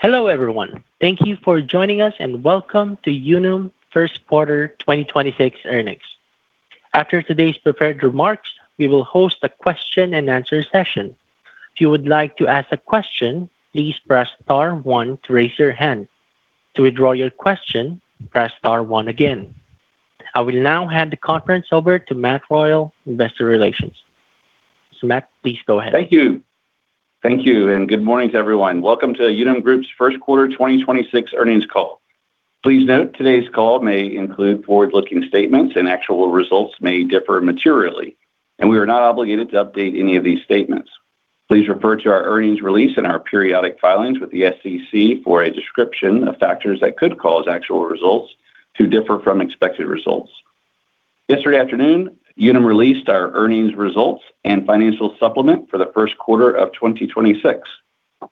Hello, everyone. Thank you for joining us, and welcome to Unum first quarter 2026 earnings. After today's prepared remarks, we will host a question and answer session. If you would like to ask a question, please press star one to raise your hand. To withdraw your question, press star one again. I will now hand the conference over to Matt Royal, Investor Relations. Matt, please go ahead. Thank you. Thank you, and good morning to everyone. Welcome to Unum Group's first quarter 2026 earnings call. Please note, today's call may include forward-looking statements, and actual results may differ materially, and we are not obligated to update any of these statements. Please refer to our earnings release and our periodic filings with the SEC for a description of factors that could cause actual results to differ from expected results. Yesterday afternoon, Unum released our earnings results and financial supplement for the first quarter of 2026.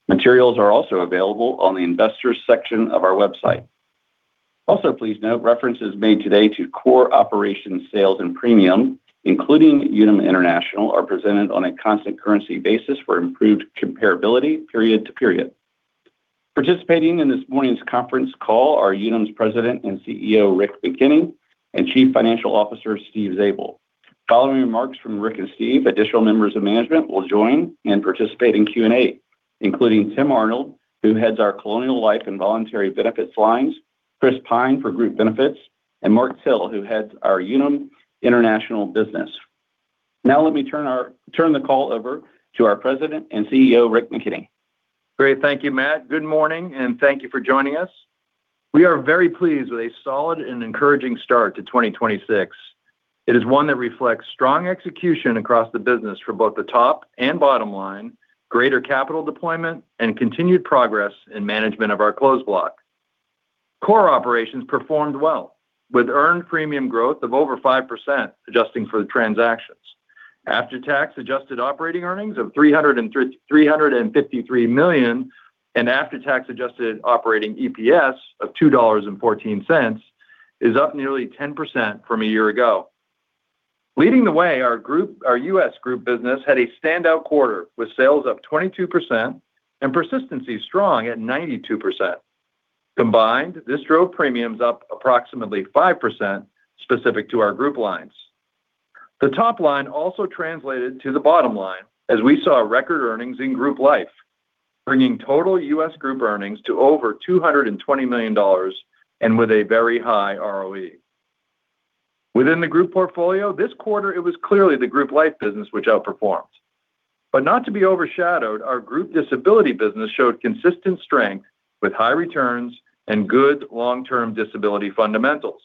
Materials are also available on the investors section of our website. Please note references made today to core operations sales and premium, including Unum International, are presented on a constant currency basis for improved comparability period to period. Participating in this morning's conference call are Unum's President and CEO, Rick McKenney, and Chief Financial Officer, Steve Zabel. Following remarks from Rick and Steve, additional members of management will join and participate in Q&A, including Tim Arnold, who heads our Colonial Life and Voluntary Benefits lines, Chris Hilgert for Group Benefits, and Mark Till, who heads our Unum International business. Now let me turn the call over to our President and CEO, Rick McKenney. Great. Thank you, Matt. Good morning, and thank you for joining us. We are very pleased with a solid and encouraging start to 2026. It is one that reflects strong execution across the business for both the top and bottom line, greater capital deployment, and continued progress in management of our Closed Block. Core operations performed well with earned premium growth of over 5% adjusting for the transactions. After tax adjusted operating earnings of $353 million and after tax adjusted operating EPS of $2.14 is up nearly 10% from a year ago. Leading the way, our U.S. group business had a standout quarter with sales up 22% and persistency strong at 92%. Combined, this drove premiums up approximately 5% specific to our group lines. The top line also translated to the bottom line as we saw record earnings in Group Life, bringing total U.S. group earnings to over $220 million and with a very high ROE. Within the group portfolio this quarter, it was clearly the Group Life business which outperformed. Not to be overshadowed, our Group Disability business showed consistent strength with high returns and good long-term disability fundamentals.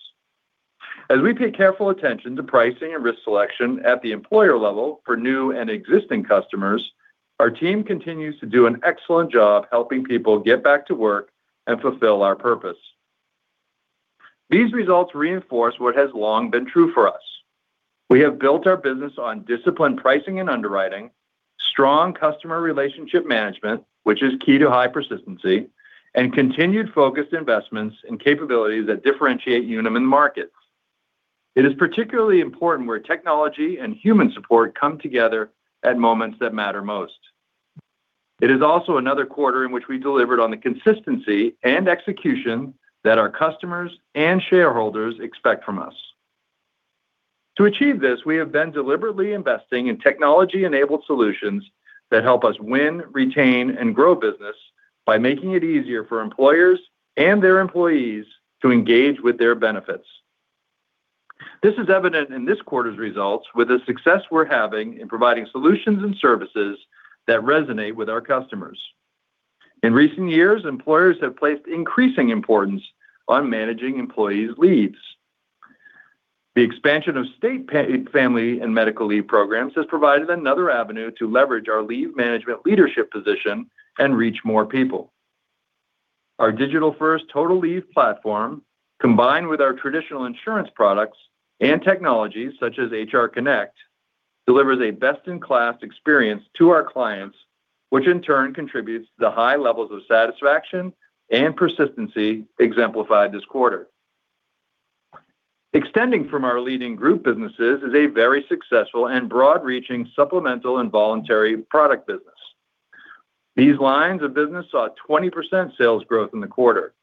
As we pay careful attention to pricing and risk selection at the employer level for new and existing customers, our team continues to do an excellent job helping people get back to work and fulfill our purpose. These results reinforce what has long been true for us. We have built our business on disciplined pricing and underwriting, strong customer relationship management, which is key to high persistency, and continued focused investments in capabilities that differentiate Unum in markets. It is particularly important where technology and human support come together at moments that matter most. It is also another quarter in which we delivered on the consistency and execution that our customers and shareholders expect from us. To achieve this, we have been deliberately investing in technology-enabled solutions that help us win, retain, and grow business by making it easier for employers and their employees to engage with their benefits. This is evident in this quarter's results with the success we're having in providing solutions and services that resonate with our customers. In recent years, employers have placed increasing importance on managing employees' leaves. The expansion of state Family and Medical Leave programs has provided another avenue to leverage our leave management leadership position and reach more people. Our digital-first Unum Total Leave platform, combined with our traditional insurance products and technologies, such as Unum HR Connect, delivers a best-in-class experience to our clients, which in turn contributes to the high levels of satisfaction and persistency exemplified this quarter. Extending from our leading group businesses is a very successful and broad-reaching supplemental and voluntary product business. These lines of business saw a 20% sales growth in the quarter.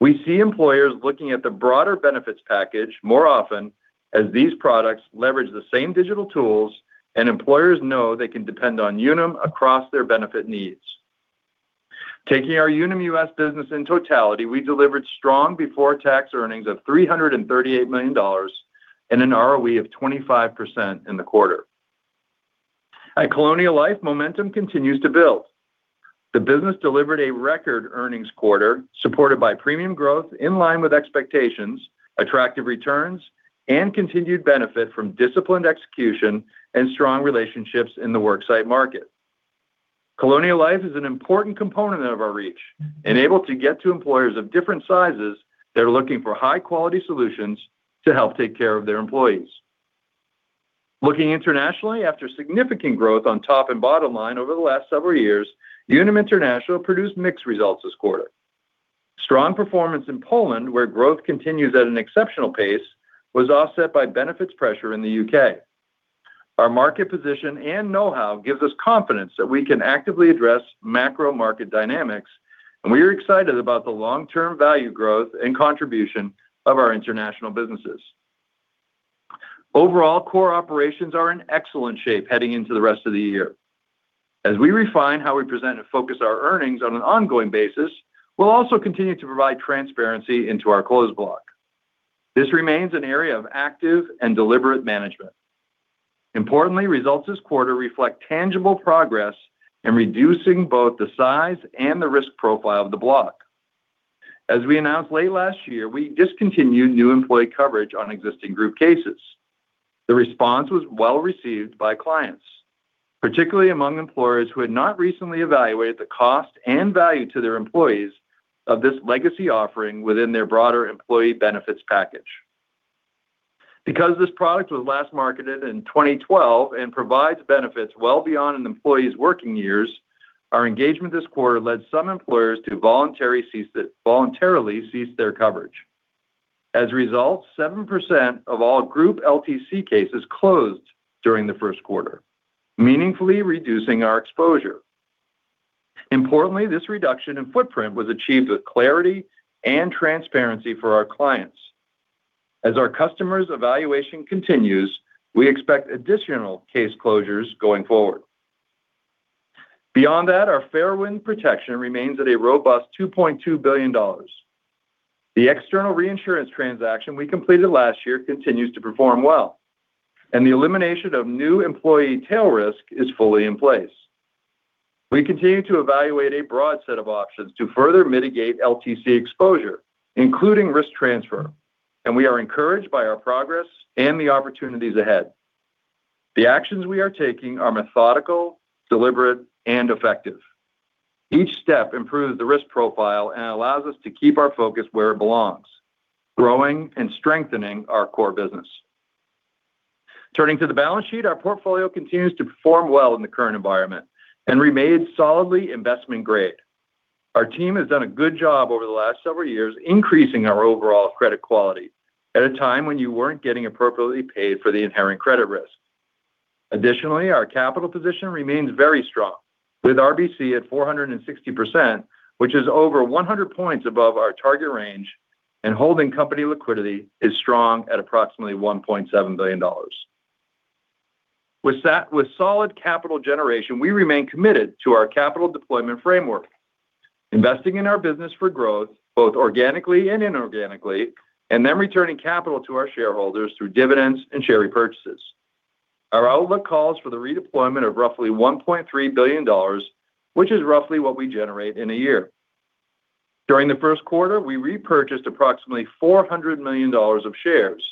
We see employers looking at the broader benefits package more often as these products leverage the same digital tools, and employers know they can depend on Unum across their benefit needs. Taking our Unum U.S. in totality, we delivered strong before-tax earnings of $338 million and an ROE of 25% in the quarter. At Colonial Life, momentum continues to build. The business delivered a record earnings quarter supported by premium growth in line with expectations, attractive returns, and continued benefit from disciplined execution and strong relationships in the work site market. Colonial Life is an important component of our reach, and able to get to employers of different sizes that are looking for high-quality solutions to help take care of their employees. Looking internationally, after significant growth on top and bottom line over the last several years, Unum International produced mixed results this quarter. Strong performance in Poland, where growth continues at an exceptional pace, was offset by benefits pressure in the U.K. Our market position and know-how gives us confidence that we can actively address macro market dynamics, and we are excited about the long-term value growth and contribution of our international businesses. Overall, core operations are in excellent shape heading into the rest of the year. As we refine how we present and focus our earnings on an ongoing basis, we'll also continue to provide transparency into our closed block. This remains an area of active and deliberate management. Importantly, results this quarter reflect tangible progress in reducing both the size and the risk profile of the block. As we announced late last year, we discontinued new employee coverage on existing group cases. The response was well-received by clients, particularly among employers who had not recently evaluated the cost and value to their employees of this legacy offering within their broader employee benefits package. Because this product was last marketed in 2012 and provides benefits well beyond an employee's working years, our engagement this quarter led some employers to voluntarily cease their coverage. As a result, 7% of all group LTC cases closed during the first quarter, meaningfully reducing our exposure. Importantly, this reduction in footprint was achieved with clarity and transparency for our clients. As our customers' evaluation continues, we expect additional case closures going forward. Beyond that, our Fairwind protection remains at a robust $2.2 billion. The external reinsurance transaction we completed last year continues to perform well, and the elimination of new employee tail risk is fully in place. We continue to evaluate a broad set of options to further mitigate LTC exposure, including risk transfer, and we are encouraged by our progress and the opportunities ahead. The actions we are taking are methodical, deliberate, and effective. Each step improves the risk profile and allows us to keep our focus where it belongs, growing and strengthening our core business. Turning to the balance sheet, our portfolio continues to perform well in the current environment and remains solidly investment grade. Our team has done a good job over the last several years increasing our overall credit quality at a time when you weren't getting appropriately paid for the inherent credit risk. Additionally, our capital position remains very strong with RBC at 460%, which is over 100 points above our target range, and holding company liquidity is strong at approximately $1.7 billion. With solid capital generation, we remain committed to our capital deployment framework, investing in our business for growth, both organically and inorganically, and then returning capital to our shareholders through dividends and share repurchases. Our outlook calls for the redeployment of roughly $1.3 billion, which is roughly what we generate in a year. During the first quarter, we repurchased approximately $400 million of shares,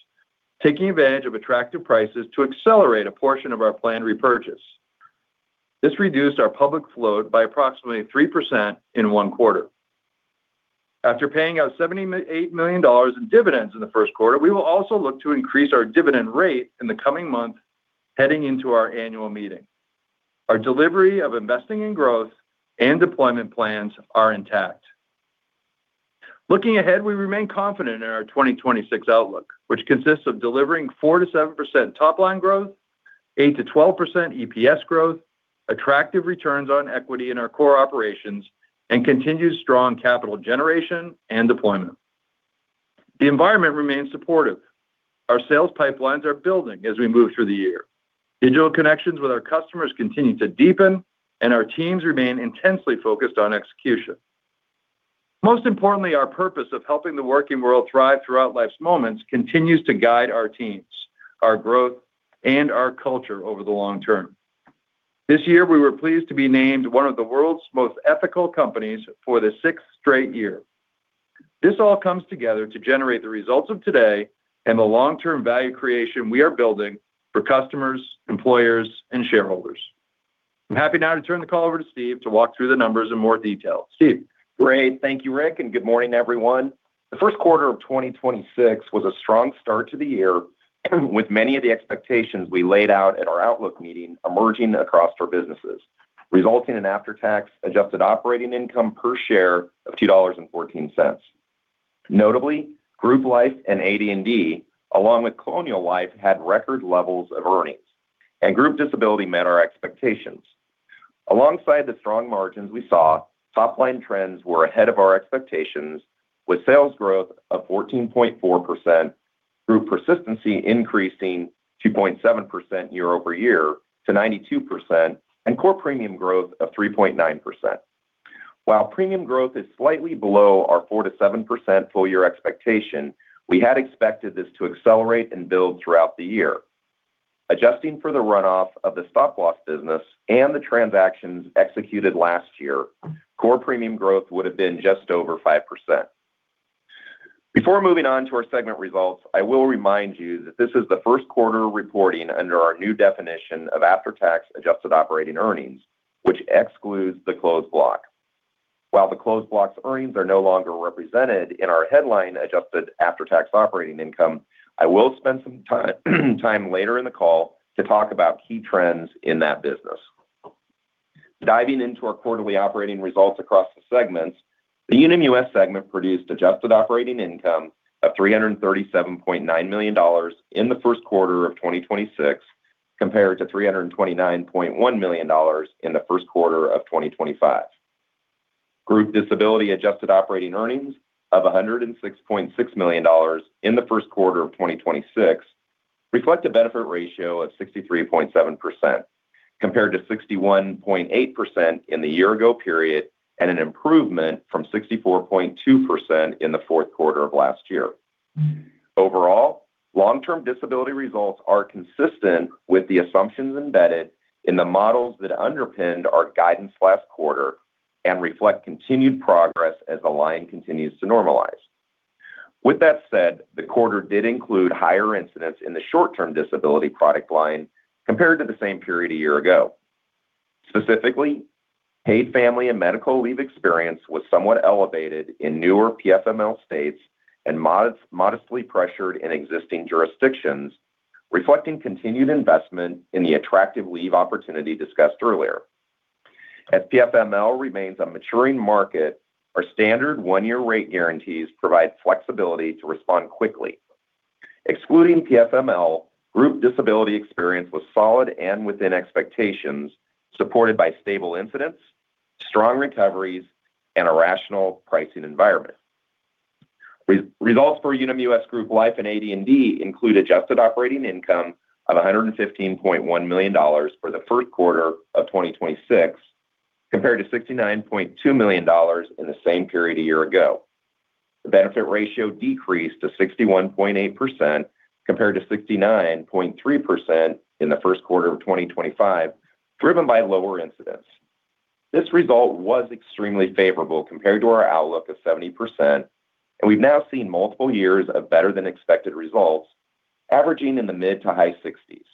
taking advantage of attractive prices to accelerate a portion of our planned repurchase. This reduced our public float by approximately 3% in one quarter. After paying out $78 million in dividends in the first quarter, we will also look to increase our dividend rate in the coming months heading into our annual meeting. Our delivery of investing in growth and deployment plans are intact. Looking ahead, we remain confident in our 2026 outlook, which consists of delivering 4%-7% top-line growth, 8%-12% EPS growth, attractive returns on equity in our core operations, and continued strong capital generation and deployment. The environment remains supportive. Our sales pipelines are building as we move through the year. Digital connections with our customers continue to deepen, and our teams remain intensely focused on execution. Most importantly, our purpose of helping the working world thrive throughout life's moments continues to guide our teams, our growth, and our culture over the long term. This year, we were pleased to be named one of the world's most ethical companies for the sixth straight year. This all comes together to generate the results of today and the long-term value creation we are building for customers, employers, and shareholders. I'm happy now to turn the call over to Steve to walk through the numbers in more detail. Steve? Great. Thank you, Rick, good morning, everyone. The first quarter of 2026 was a strong start to the year with many of the expectations we laid out at our outlook meeting emerging across our businesses, resulting in after-tax adjusted operating income per share of $2.14. Notably, Group Life and AD&D, along with Colonial Life, had record levels of earnings, and Group Disability met our expectations. Alongside the strong margins we saw, top-line trends were ahead of our expectations with sales growth of 14.4% through persistency increasing 2.7% year-over-year to 92% and core premium growth of 3.9%. While premium growth is slightly below our 4%-7% full year expectation, we had expected this to accelerate and build throughout the year. Adjusting for the runoff of the stop-loss business and the transactions executed last year, core premium growth would have been just over 5%. Before moving on to our segment results, I will remind you that this is the first quarter reporting under our new definition of after-tax adjusted operating earnings, which excludes the closed block. While the closed block's earnings are no longer represented in our headline adjusted after-tax operating income, I will spend some time later in the call to talk about key trends in that business. Diving into our quarterly operating results across the segments, the Unum US segment produced adjusted operating income of $337.9 million in the first quarter of 2026, compared to $329.1 million in the first quarter of 2025. Group Disability adjusted operating earnings of $106.6 million in the first quarter of 2026 reflect a benefit ratio of 63.7% compared to 61.8% in the year-ago period, and an improvement from 64.2% in the fourth quarter of last year. Overall, long-term disability results are consistent with the assumptions embedded in the models that underpinned our guidance last quarter and reflect continued progress as the line continues to normalize. With that said, the quarter did include higher incidence in the short-term disability product line compared to the same period a year ago. Specifically, paid family and medical leave experience was somewhat elevated in newer PFML states and modestly pressured in existing jurisdictions, reflecting continued investment in the attractive leave opportunity discussed earlier. As PFML remains a maturing market, our standard one-year rate guarantees provide flexibility to respond quickly. Excluding PFML, Group Disability experience was solid and within expectations, supported by stable incidents, strong recoveries, and a rational pricing environment. Results for Unum U.S. Group Life and AD&D include adjusted operating income of $115.1 million for the first quarter of 2026, compared to $69.2 million in the same period a year ago. The benefit ratio decreased to 61.8% compared to 69.3% in the first quarter of 2025, driven by lower incidents. This result was extremely favorable compared to our outlook of 70%. We've now seen multiple years of better-than-expected results, averaging in the mid-to-high 60s.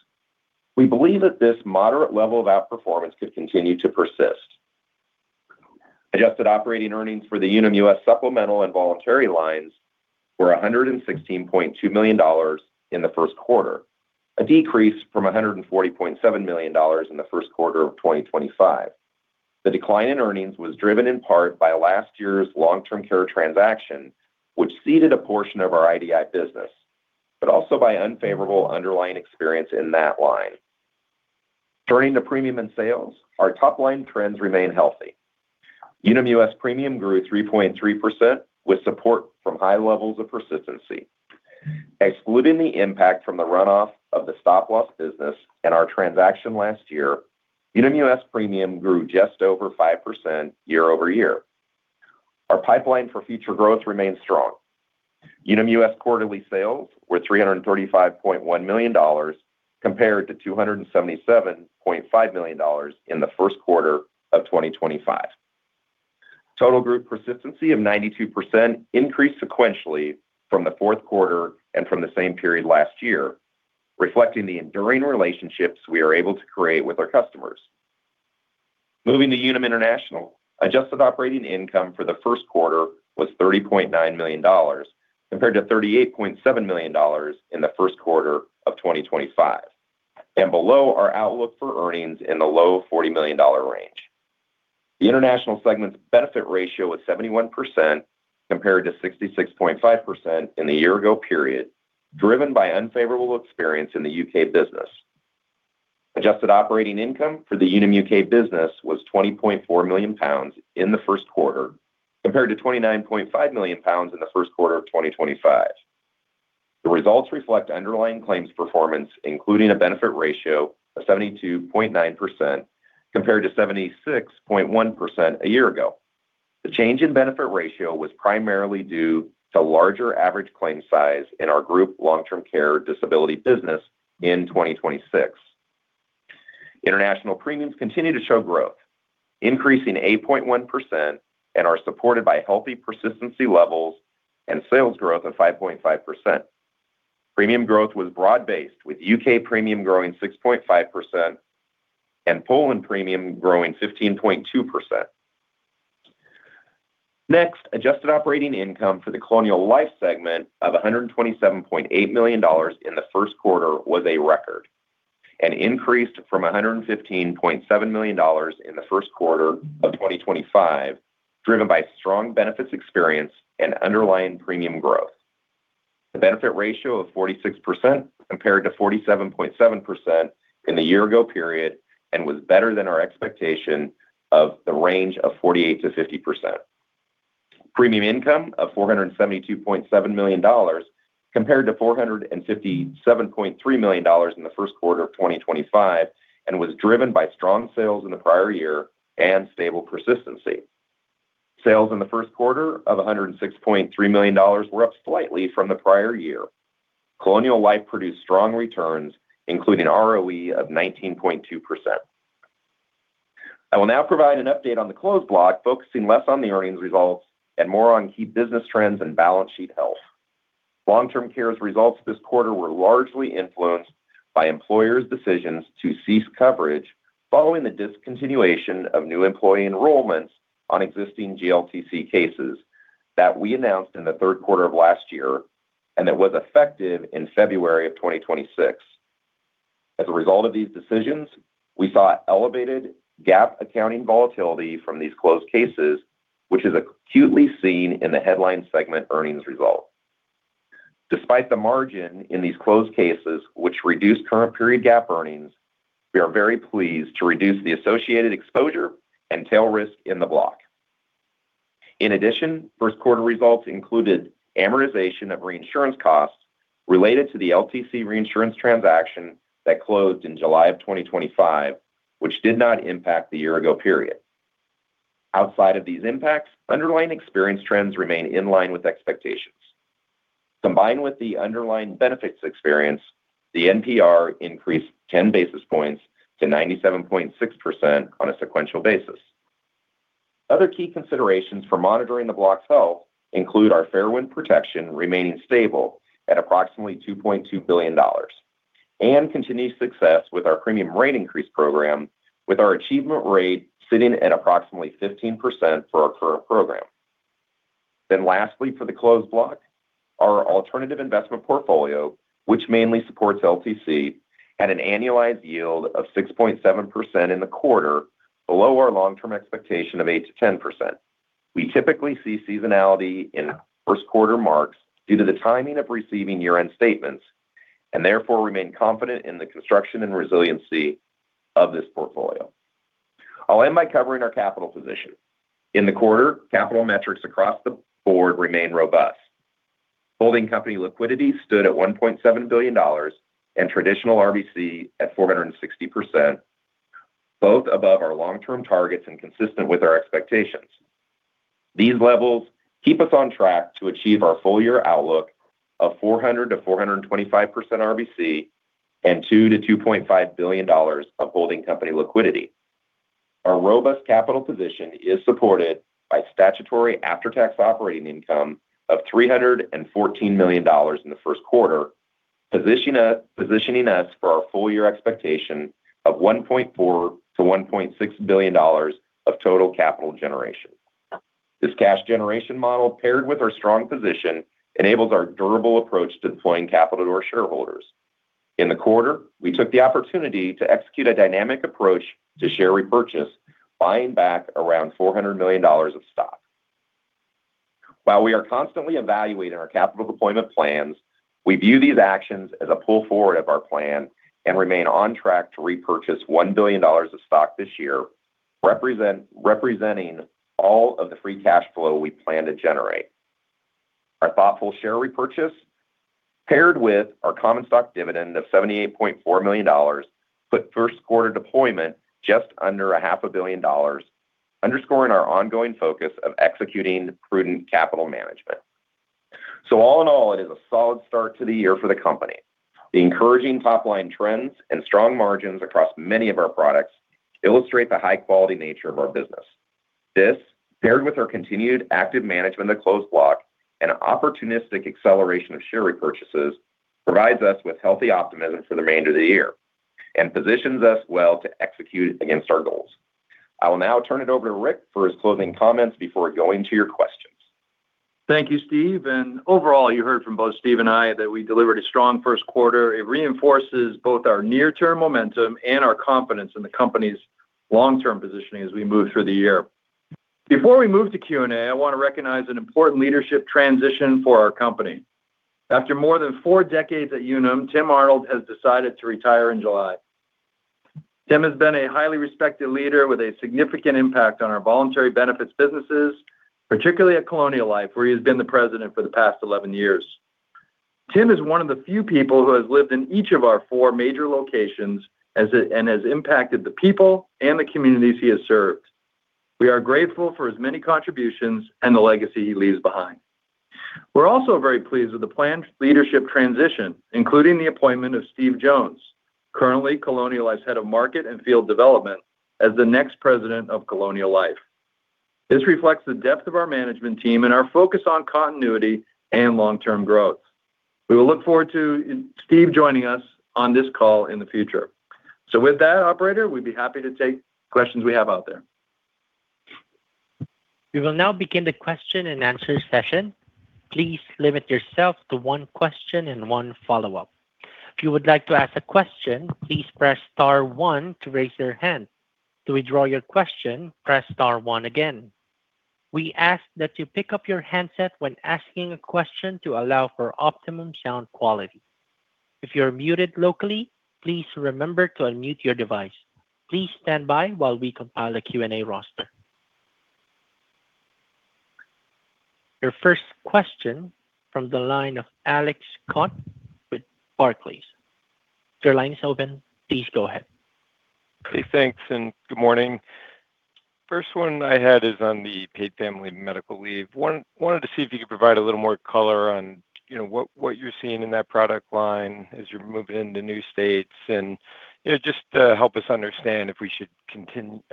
We believe that this moderate level of outperformance could continue to persist. Adjusted operating earnings for the Unum U.S. supplemental and voluntary lines were $116.2 million in the first quarter, a decrease from $140.7 million in the first quarter of 2025. The decline in earnings was driven in part by last year's long-term care transaction, which ceded a portion of our IDI business, but also by unfavorable underlying experience in that line. Turning to premium and sales, our top-line trends remain healthy. Unum U.S. Premium grew 3.3% with support from high levels of persistency. Excluding the impact from the runoff of the stop-loss business and our transaction last year, Unum U.S. premium grew just over 5% year-over-year. Our pipeline for future growth remains strong. Unum U.S. quarterly sales were $335.1 million compared to $277.5 million in the first quarter of 2025. Total group persistency of 92% increased sequentially from the fourth quarter and from the same period last year, reflecting the enduring relationships we are able to create with our customers. Moving to Unum International, adjusted operating income for the first quarter was $30.9 million compared to $38.7 million in the first quarter of 2025, and below our outlook for earnings in the low $40 million range. The International segment's benefit ratio was 71% compared to 66.5% in the year ago period, driven by unfavorable experience in the U.K. business. Adjusted operating income for the Unum U.K. business was 20.4 million pounds in the first quarter compared to 29.5 million pounds in the first quarter of 2025. The results reflect underlying claims performance, including a benefit ratio of 72.9% compared to 76.1% a year ago. The change in benefit ratio was primarily due to larger average claim size in our group long-term disability business in 2026. International premiums continue to show growth, increasing 8.1%, are supported by healthy persistency levels and sales growth of 5.5%. Premium growth was broad-based, with U.K. premium growing 6.5% and Poland premium growing 15.2%. Next, adjusted operating income for the Colonial Life segment of $127.8 million in the first quarter was a record, and increased from $115.7 million in the first quarter of 2025, driven by strong benefits experience and underlying premium growth. The benefit ratio of 46% compared to 47.7% in the year ago period and was better than our expectation of the range of 48%-50%. Premium income of $472.7 million compared to $457.3 million in the first quarter of 2025 and was driven by strong sales in the prior year and stable persistency. Sales in the first quarter of $106.3 million were up slightly from the prior year. Colonial Life produced strong returns, including ROE of 19.2%. I will now provide an update on the closed block, focusing less on the earnings results and more on key business trends and balance sheet health. Long-Term Care's results this quarter were largely influenced by employers' decisions to cease coverage following the discontinuation of new employee enrollments on existing GLTC cases. That we announced in the third quarter of last year, and that was effective in February of 2026. As a result of these decisions, we saw elevated GAAP accounting volatility from these closed cases, which is acutely seen in the headline segment earnings result. Despite the margin in these closed cases, which reduced current period GAAP earnings, we are very pleased to reduce the associated exposure and tail risk in the block. In addition, first quarter results included amortization of reinsurance costs related to the LTC reinsurance transaction that closed in July of 2025, which did not impact the year ago period. Outside of these impacts, underlying experience trends remain in line with expectations. Combined with the underlying benefits experience, the NPR increased 10 basis points to 97.6% on a sequential basis. Other key considerations for monitoring the block's health include our Fairwind protection remaining stable at approximately $2.2 billion and continued success with our premium rate increase program with our achievement rate sitting at approximately 15% for our current program. Lastly, for the closed block, our alternative investment portfolio, which mainly supports LTC, had an annualized yield of 6.7% in the quarter, below our long term expectation of 8%-10%. We typically see seasonality in first quarter marks due to the timing of receiving year-end statements, therefore remain confident in the construction and resiliency of this portfolio. I'll end by covering our capital position. In the quarter, capital metrics across the board remain robust. Holding company liquidity stood at $1.7 billion and traditional RBC at 460%, both above our long-term targets and consistent with our expectations. These levels keep us on track to achieve our full-year outlook of 400%-425% RBC and $2 billion-$2.5 billion of holding company liquidity. Our robust capital position is supported by statutory after tax operating income of $314 million in the first quarter, positioning us for our full-year expectation of $1.4 billion-$1.6 billion of total capital generation. This cash generation model paired with our strong position enables our durable approach to deploying capital to our shareholders. In the quarter, we took the opportunity to execute a dynamic approach to share repurchase, buying back around $400 million of stock. While we are constantly evaluating our capital deployment plans, we view these actions as a pull forward of our plan and remain on track to repurchase $1 billion of stock year, representing all of the free cash flow we plan to generate. Our thoughtful share repurchase paired with our common stock dividend of $78.4 million put first quarter deployment just under a half a billion dollars, underscoring our ongoing focus of executing prudent capital management. All in all, it is a solid start to the year for the company. The encouraging top line trends and strong margins across many of our products illustrate the high-quality nature of our business. This, paired with our continued active management of closed block and opportunistic acceleration of share repurchases, provides us with healthy optimism for the remainder of the year and positions us well to execute against our goals. I will now turn it over to Rick for his closing comments before going to your questions. Thank you, Steve. Overall, you heard from both Steve and I that we delivered a strong first quarter. It reinforces both our near-term momentum and our confidence in the company's long-term positioning as we move through the year. Before we move to Q&A, I want to recognize an important leadership transition for our company. After more than four decades at Unum, Tim Arnold has decided to retire in July. Tim has been a highly respected leader with a significant impact on our voluntary benefits businesses, particularly at Colonial Life, where he has been the president for the past 11 years. Tim is one of the few people who has lived in each of our four major locations and has impacted the people and the communities he has served. We are grateful for his many contributions and the legacy he leaves behind. We're also very pleased with the planned leadership transition, including the appointment of Steve Jones, currently Colonial Life's Head of Market and Field Development, as the next President of Colonial Life. This reflects the depth of our management team and our focus on continuity and long-term growth. We will look forward to Steve joining us on this call in the future. With that operator, we'd be happy to take questions we have out there. We will now begin the question and answer session. Please limit yourself to one question and one follow-up. If you would like to ask a question, please press star one to raise your hand. To withdraw your question, press star one again. We ask that you pick up your handset when asking a question to allow for optimum sound quality. If you're muted locally, please remember to unmute your device. Please stand by while we compile a Q&A roster. Your first question from the line of Alex Scott with Barclays. Your line is open. Please go ahead. Okay, thanks, good morning. First one I had is on the Paid Family Medical Leave. wanted to see if you could provide a little more color on, you know, what you're seeing in that product line as you're moving into new states. You know, just to help us understand if we should, you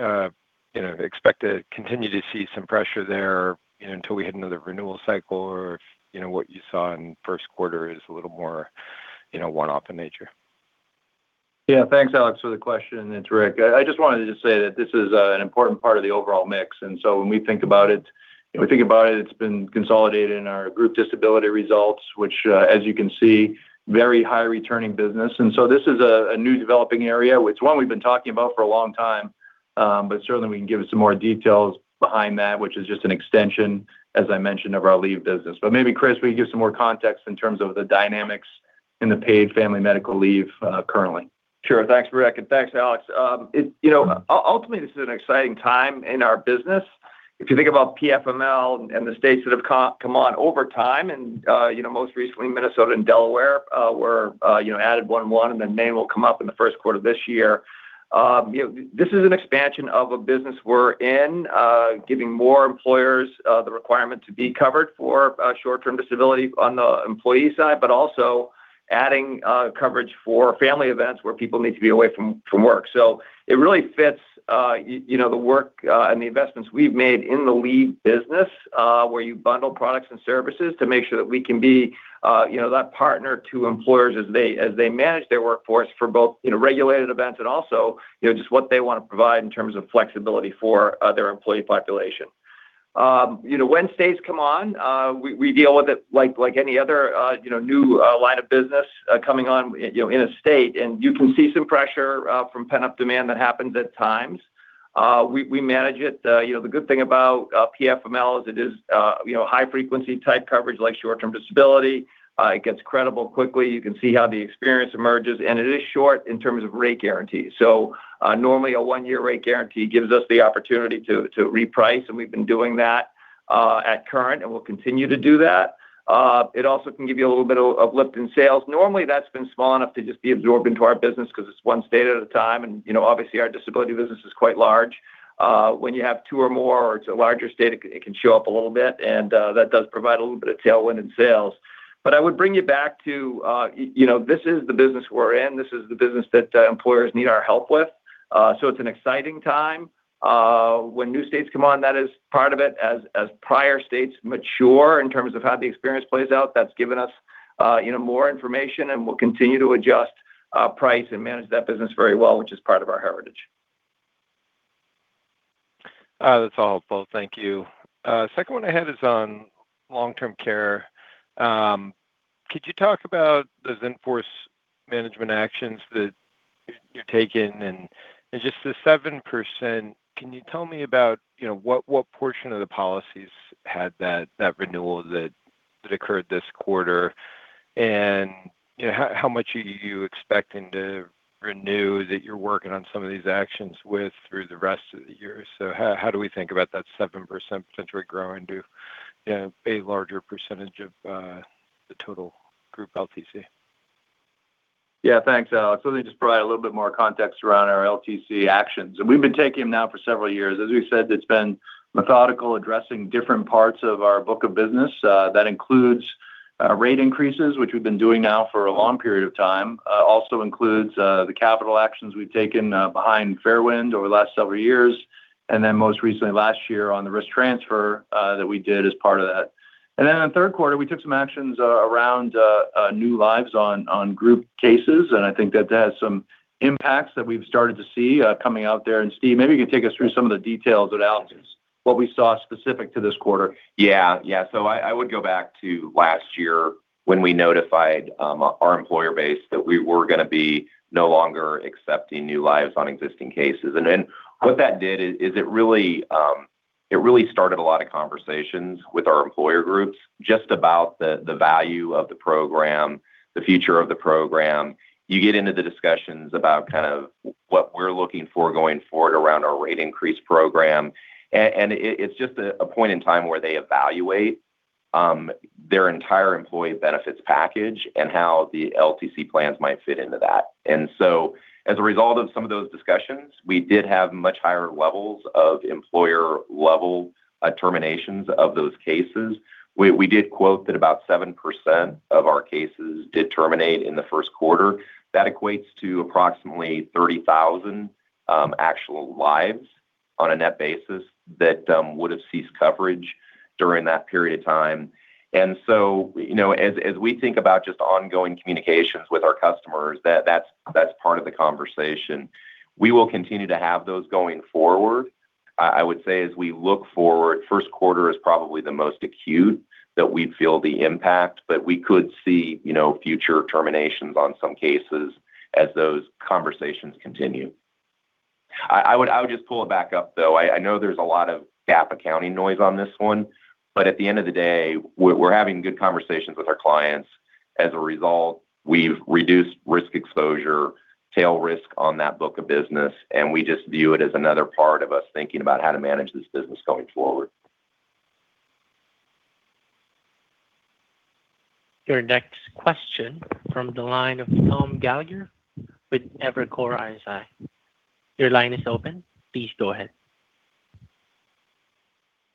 know, expect to continue to see some pressure there until we hit another renewal cycle or, you know, what you saw in first quarter is a little more, you know, one-off in nature. Yeah, thanks, Alex, for the question. It's Rick. I just wanted to say that this is an important part of the overall mix. When we think about it's been consolidated in our Group Disability results, which, as you can see, very high returning business. This is a new developing area. It's one we've been talking about for a long time, but certainly we can give some more details behind that, which is just an extension, as I mentioned, of our leave business. Maybe Chris, will you give some more context in terms of the dynamics in the Paid Family Medical Leave currently? Sure. Thanks, Rick, and thanks Alex. You know, ultimately, this is an exciting time in our business. If you think about PFML and the states that have come on over time and, you know, most recently, Minnesota and Delaware, were added one and one, and then Maine will come up in the first quarter of this year. You know, this is an expansion of a business we're in, giving more employers the requirement to be covered for short-term disability on the employee side, but also adding coverage for family events where people need to be away from work. It really fits, you know, the work and the investments we've made in the leave business, where you bundle products and services to make sure that we can be, you know, that partner to employers as they, as they manage their workforce for both, you know, regulated events and also, you know, just what they want to provide in terms of flexibility for their employee population. You know, when states come on, we deal with it like any other, you know, new line of business coming on you know, in a state, and you can see some pressure from pent-up demand that happens at times. We manage it. You know, the good thing about PFML is it is, you know, high-frequency type coverage like short-term disability. It gets credible quickly. You can see how the experience emerges, and it is short in terms of rate guarantees. Normally, a one-year rate guarantee gives us the opportunity to reprice, and we've been doing that at current, and we'll continue to do that. It also can give you a little bit of lift in sales. Normally, that's been small enough to just be absorbed into our business 'cause it's one state at a time. You know, obviously our disability business is quite large. When you have two or more or it's a larger state, it can show up a little bit, and that does provide a little bit of tailwind in sales. I would bring you back to, you know, this is the business we're in. This is the business that employers need our help with. It's an exciting time. When new states come on, that is part of it. As prior states mature in terms of how the experience plays out, that's given us, you know, more information, and we'll continue to adjust price and manage that business very well, which is part of our heritage. That's all. Thank you. Second one I had is on long-term care. Could you talk about the in-force management actions that you're taking? Just the 7%, can you tell me about, you know, what portion of the policies had that renewal that occurred this quarter? You know, how much are you expecting to renew that you're working on some of these actions with through the rest of the year? How, how do we think about that 7% potentially growing to, you know, a larger percentage of the total group LTC? Yeah, thanks, Alex. Let me just provide a little bit more context around our LTC actions, and we've been taking them now for several years. As we've said, it's been methodical, addressing different parts of our book of business. That includes rate increases, which we've been doing now for a long period of time. It also includes the capital actions we've taken behind Fairwind over the last several years, and then most recently last year on the risk transfer that we did as part of that. In the third quarter, we took some actions around new lives on group cases, and I think that that has some impacts that we've started to see coming out there. Steve, maybe you can take us through some of the details without just what we saw specific to this quarter. I would go back to last year when we notified our employer base that we were going to be no longer accepting new lives on existing cases. What that did is it really started a lot of conversations with our employer groups just about the value of the program, the future of the program. You get into the discussions about kind of what we're looking for going forward around our rate increase program. It's just a point in time where they evaluate their entire employee benefits package and how the LTC plans might fit into that. As a result of some of those discussions, we did have much higher levels of employer-level terminations of those cases. We did quote that about 7% of our cases did terminate in the first quarter. That equates to approximately $30,000 actual lives on a net basis that would have ceased coverage during that period of time. You know, as we think about just ongoing communications with our customers, that's part of the conversation. We will continue to have those going forward. I would say as we look forward, first quarter is probably the most acute that we'd feel the impact, but we could see, you know, future terminations on some cases as those conversations continue. I would just pull it back up, though. I know there's a lot of GAAP accounting noise on this one, but at the end of the day, we're having good conversations with our clients. As a result, we've reduced risk exposure, tail risk on that book of business, and we just view it as another part of us thinking about how to manage this business going forward. Your next question from the line of Tom Gallagher with Evercore ISI. Your line is open. Please go ahead.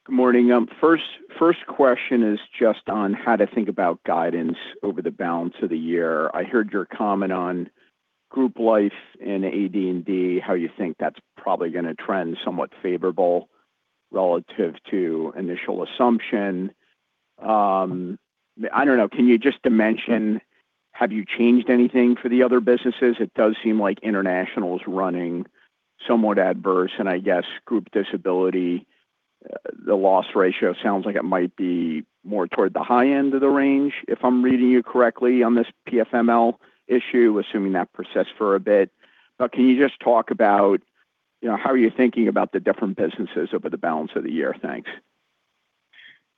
Good morning. First question is just on how to think about guidance over the balance of the year. I heard your comment on Group Life and AD&D, how you think that's probably gonna trend somewhat favorable relative to initial assumption. I don't know. Can you just dimension have you changed anything for the other businesses? It does seem like Unum International is running somewhat adverse, and I guess Group Disability, the loss ratio sounds like it might be more toward the high end of the range if I'm reading you correctly on this PFML issue, assuming that persists for a bit. Can you just talk about, you know, how are you thinking about the different businesses over the balance of the year? Thanks.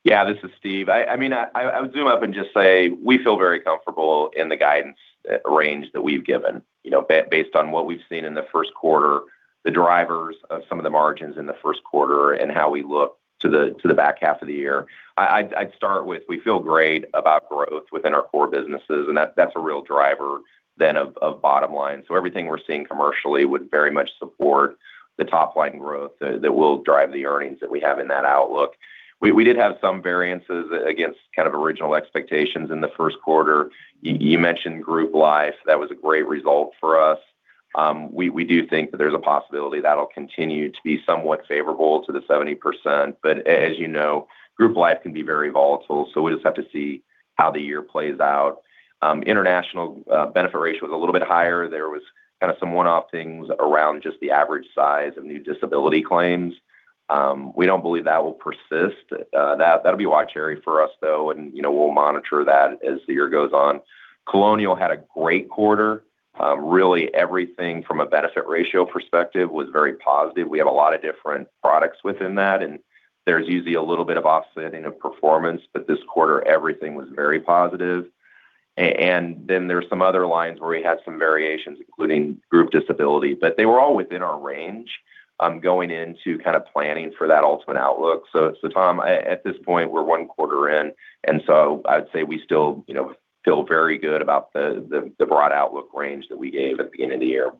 This is Steve. I mean, I would zoom up and just say we feel very comfortable in the guidance range that we've given, you know, based on what we've seen in the first quarter, the drivers of some of the margins in the first quarter, and how we look to the back half of the year. I'd start with we feel great about growth within our core businesses, and that's a real driver than of bottom line. Everything we're seeing commercially would very much support the top-line growth that will drive the earnings that we have in that outlook. We did have some variances against kind of original expectations in the first quarter. You mentioned group life. That was a great result for us. We, we do think that there's a possibility that'll continue to be somewhat favorable to the 70%. As you know, Group Life can be very volatile, so we just have to see how the year plays out. International benefit ratio was a little bit higher. There was kind of some one-off things around just the average size of new disability claims. We don't believe that will persist. That'll be watch area for us, though, and, you know, we'll monitor that as the year goes on. Colonial Life had a great quarter. Really, everything from a benefit ratio perspective was very positive. We have a lot of different products within that, and there's usually a little bit of offsetting of performance. This quarter, everything was very positive. Then there's some other lines where we had some variations, including Group Disability. They were all within our range, going into kind of planning for that ultimate outlook. Tom, at this point, we're 1 quarter in, I'd say we still, you know, feel very good about the broad outlook range that we gave at the beginning of the year.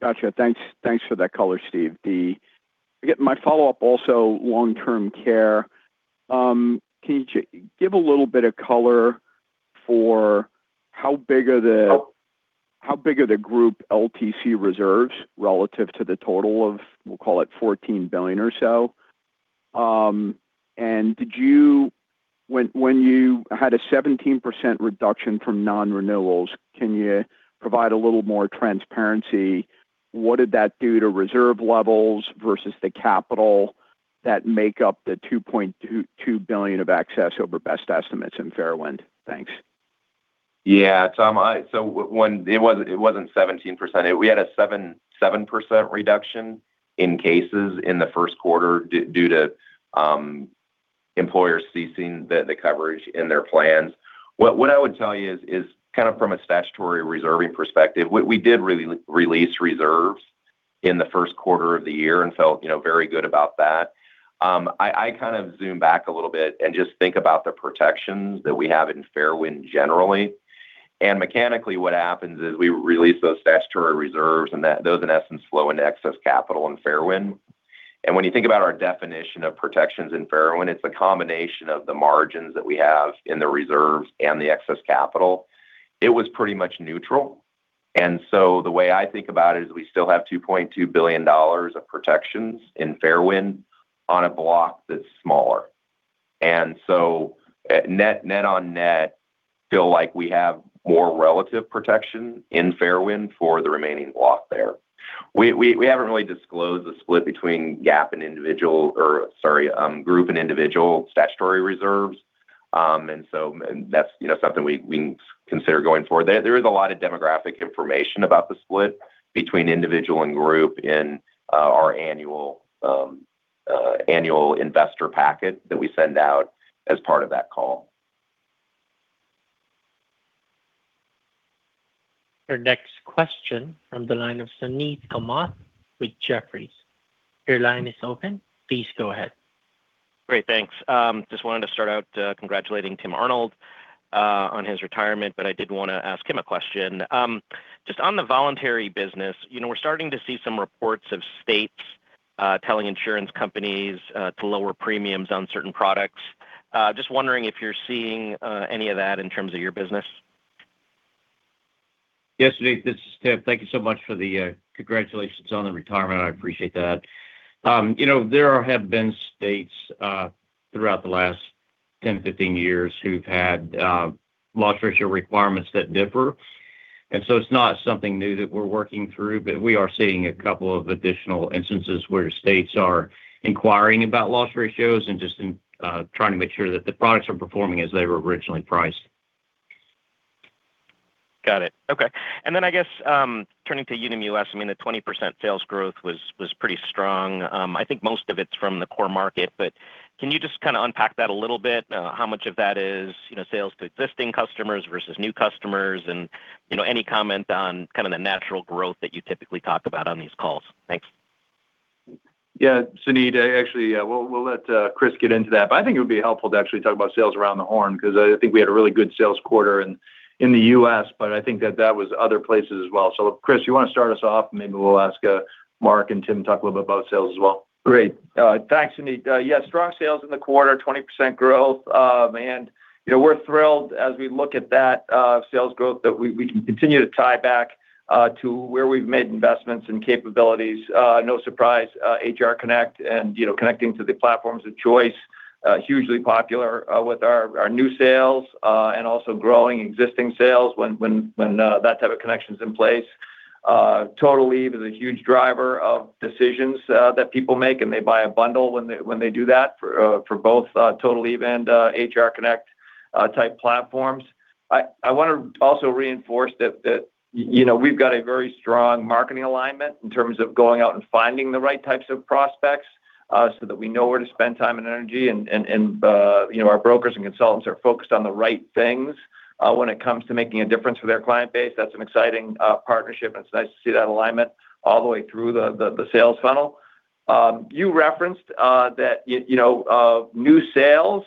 Gotcha. Thanks. Thanks for that color, Steve. I get my follow-up also Long-Term Care. Can you give a little bit of color for how big are the group LTC reserves relative to the total of, we'll call it $14 billion or so? When you had a 17% reduction from non-renewals, can you provide a little more transparency? What did that do to reserve levels versus the capital that make up the $2.2 billion of excess over best estimates in Fairwind? Thanks. Tom, it wasn't 17%. We had a 7% reduction in cases in the first quarter due to employers ceasing the coverage in their plans. What I would tell you is kind of from a statutory reserving perspective, we did really release reserves in the first quarter of the year and felt, you know, very good about that. I kind of zoom back a little bit and just think about the protections that we have in Fairwind generally. Mechanically, what happens is we release those statutory reserves, and those, in essence, flow into excess capital and Fairwind. When you think about our definition of protections in Fairwind, it's a combination of the margins that we have in the reserves and the excess capital. It was pretty much neutral. The way I think about it is we still have $2.2 billion of protections in Fairwind on a block that's smaller. At net on net, feel like we have more relative protection in Fairwind for the remaining block there. We haven't really disclosed the split between GAAP and individual or sorry, group and individual statutory reserves. That's, you know, something we consider going forward. There is a lot of demographic information about the split between individual and group in our annual investor packet that we send out as part of that call. Our next question from the line of Suneet Kamath with Jefferies. Great. Thanks. Just wanted to start out, congratulating Tim Arnold on his retirement, but I did want to ask him a question. Just on the voluntary business, you know, we're starting to see some reports of states, telling insurance companies to lower premiums on certain products. Just wondering if you're seeing any of that in terms of your business. Yes, Suneet, this is Tim. Thank you so much for the congratulations on the retirement. I appreciate that. You know, there have been states throughout the last 10, 15 years who've had loss ratio requirements that differ. It's not something new that we're working through, but we are seeing a couple of additional instances where states are inquiring about loss ratios and just trying to make sure that the products are performing as they were originally priced. Got it. Okay. I guess, turning to Unum U.S., I mean, the 20% sales growth was pretty strong. I think most of it's from the core market, can you just kind of unpack that a little bit? How much of that is, you know, sales to existing customers versus new customers? You know, any comment on kind of the natural growth that you typically talk about on these calls? Thanks. Yeah, Suneet, actually, we'll let Chris get into that, but I think it would be helpful to actually talk about sales around the horn because I think we had a really good sales quarter in the U.S., but I think that that was other places as well. Chris, you want to start us off? Maybe we'll ask Mark and Tim to talk a little bit about sales as well. Great. Thanks, Suneet. Yeah, strong sales in the quarter, 20% growth. You know, we're thrilled as we look at that sales growth that we can continue to tie back to where we've made investments and capabilities. No surprise, HR Connect and, you know, connecting to the platforms of choice, hugely popular with our new sales and also growing existing sales when that type of connection's in place. Total Leave is a huge driver of decisions that people make, and they buy a bundle when they do that for for both Total Leave and HR Connect type platforms. I wanna also reinforce that, you know, we've got a very strong marketing alignment in terms of going out and finding the right types of prospects, so that we know where to spend time and energy, and, you know, our brokers and consultants are focused on the right things, when it comes to making a difference for their client base. That's an exciting partnership, and it's nice to see that alignment all the way through the sales funnel. You referenced that, you know, new sales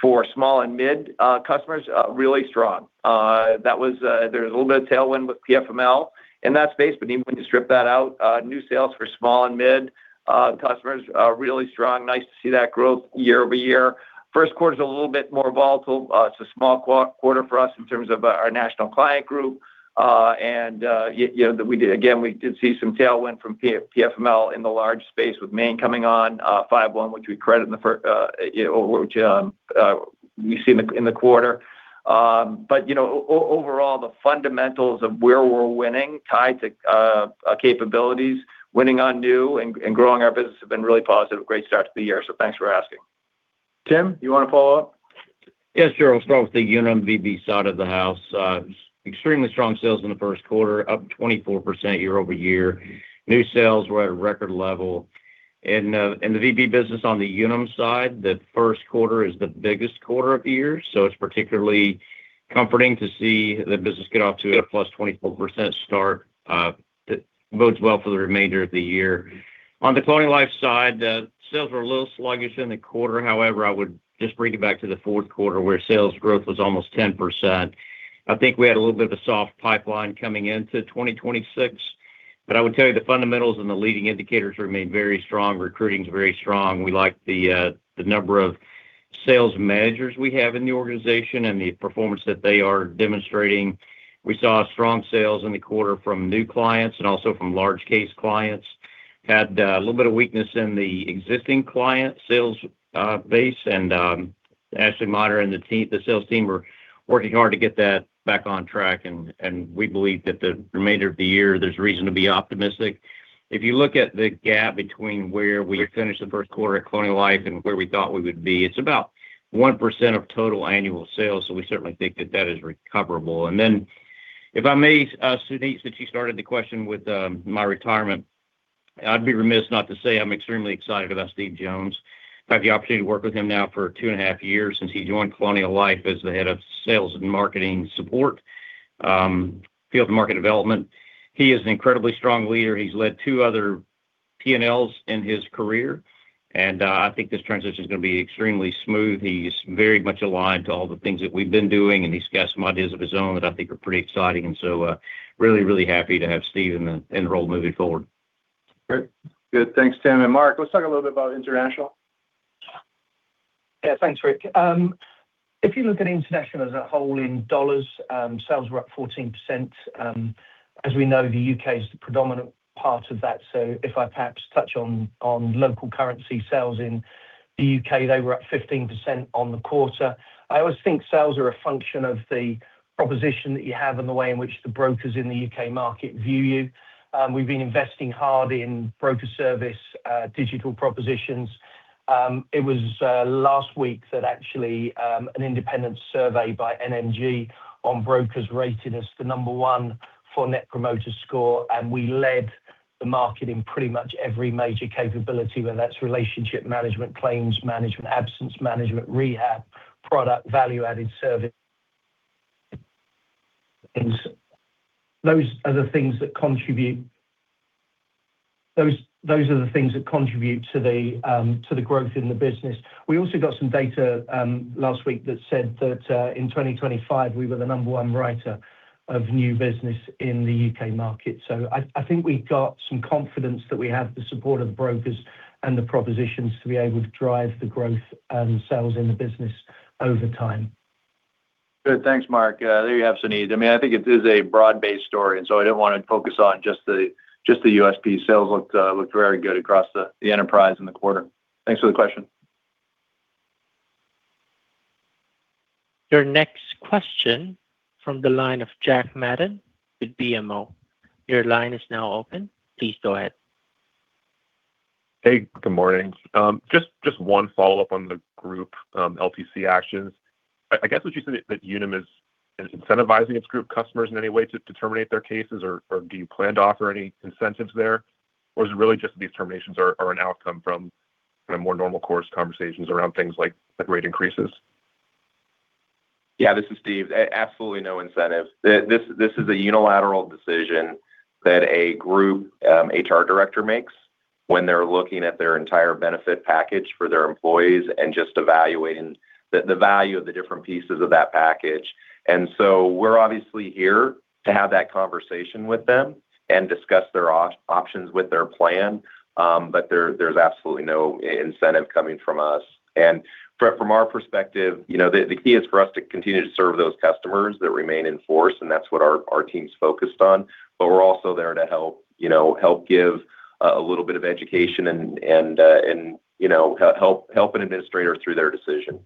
for small and mid customers are really strong. That was, there's a little bit of tailwind with PFML in that space, but even when you strip that out, new sales for small and mid customers are really strong. Nice to see that growth year-over-year. First quarter's a little bit more volatile. It's a small quarter for us in terms of our national client group. You know, we did again, we did see some tailwind from PFML in the large space with Maine coming on, 5/1, which we credit in the, you know, which, we see in the, in the quarter. You know, overall, the fundamentals of where we're winning tied to capabilities, winning on new and growing our business have been really positive. Great start to the year, so thanks for asking. Tim, you wanna follow up? Yes, sure. I'll start with the Unum VB side of the house. Extremely strong sales in the first quarter, up 24% year-over-year. New sales were at a record level. The VB business on the Unum side, the first quarter is the biggest quarter of the year, so it's particularly comforting to see the business get off to a +24% start. That bodes well for the remainder of the year. On the Colonial Life side, sales were a little sluggish in the quarter. However, I would just bring you back to the fourth quarter where sales growth was almost 10%. I think we had a little bit of a soft pipeline coming into 2026. I would tell you the fundamentals and the leading indicators remain very strong. Recruiting is very strong. We like the number of sales managers we have in the organization and the performance that they are demonstrating. We saw strong sales in the quarter from new clients and also from large case clients. Had a little bit of weakness in the existing client sales base. Ashley Minor and the team, the sales team were working hard to get that back on track, and we believe that the remainder of the year, there's reason to be optimistic. If you look at the gap between where we finished the first quarter at Colonial Life and where we thought we would be, it's about 1% of total annual sales, so we certainly think that that is recoverable. If I may, Suneet Kamath, since you started the question with my retirement, I'd be remiss not to say I'm extremely excited about Steve Jones. I've had the opportunity to work with him now for two and a half years since he joined Colonial Life as the head of sales and marketing support, field market development. He is an incredibly strong leader. He's led two other P&Ls in his career, and I think this transition is gonna be extremely smooth. He's very much aligned to all the things that we've been doing, and he's got some ideas of his own that I think are pretty exciting. So, really happy to have Steve in the role moving forward. Great. Good. Thanks, Tim. Mark, let's talk a little bit about International. Thanks, Rick. If you look at international as a whole in dollars, sales were up 14%. As we know, the U.K. is the predominant part of that. If I perhaps touch on local currency sales in the U.K., they were up 15% on the quarter. I always think sales are a function of the proposition that you have and the way in which the brokers in the U.K. market view. We've been investing hard in broker service, digital propositions. It was last week that actually an independent survey by NMG on brokers rated us the number one for Net Promoter Score, and we led the market in pretty much every major capability, whether that's relationship management, claims management, absence management, rehab, product value-added service. Those are the things that contribute to the growth in the business. We also got some data last week that said that in 2025, we were the number one writer of new business in the U.K. market. I think we've got some confidence that we have the support of the brokers and the propositions to be able to drive the growth sales in the business over time. Good. Thanks, Mark. there you have Suneet Kamath. I mean, I think it is a broad-based story, I didn't wanna focus on just the USP. Sales looked very good across the enterprise in the quarter. Thanks for the question. Your next question from the line of Jack Madden with BMO. Your line is now open. Please go ahead. Hey, good morning. Just one follow-up on the group LTC actions. I guess what you said that Unum is incentivizing its group customers in any way to terminate their cases, or do you plan to offer any incentives there? Is it really just these terminations are an outcome from, kind of more normal course conversations around things like rate increases? Yeah, this is Steve. Absolutely no incentive. This is a unilateral decision that a group, HR director makes When they're looking at their entire benefit package for their employees and just evaluating the value of the different pieces of that package. We're obviously here to have that conversation with them and discuss their options with their plan, but there's absolutely no incentive coming from us. From our perspective, you know, the key is for us to continue to serve those customers that remain in force, and that's what our team's focused on. We're also there to help, you know, give a little bit of education and, you know, help an administrator through their decision.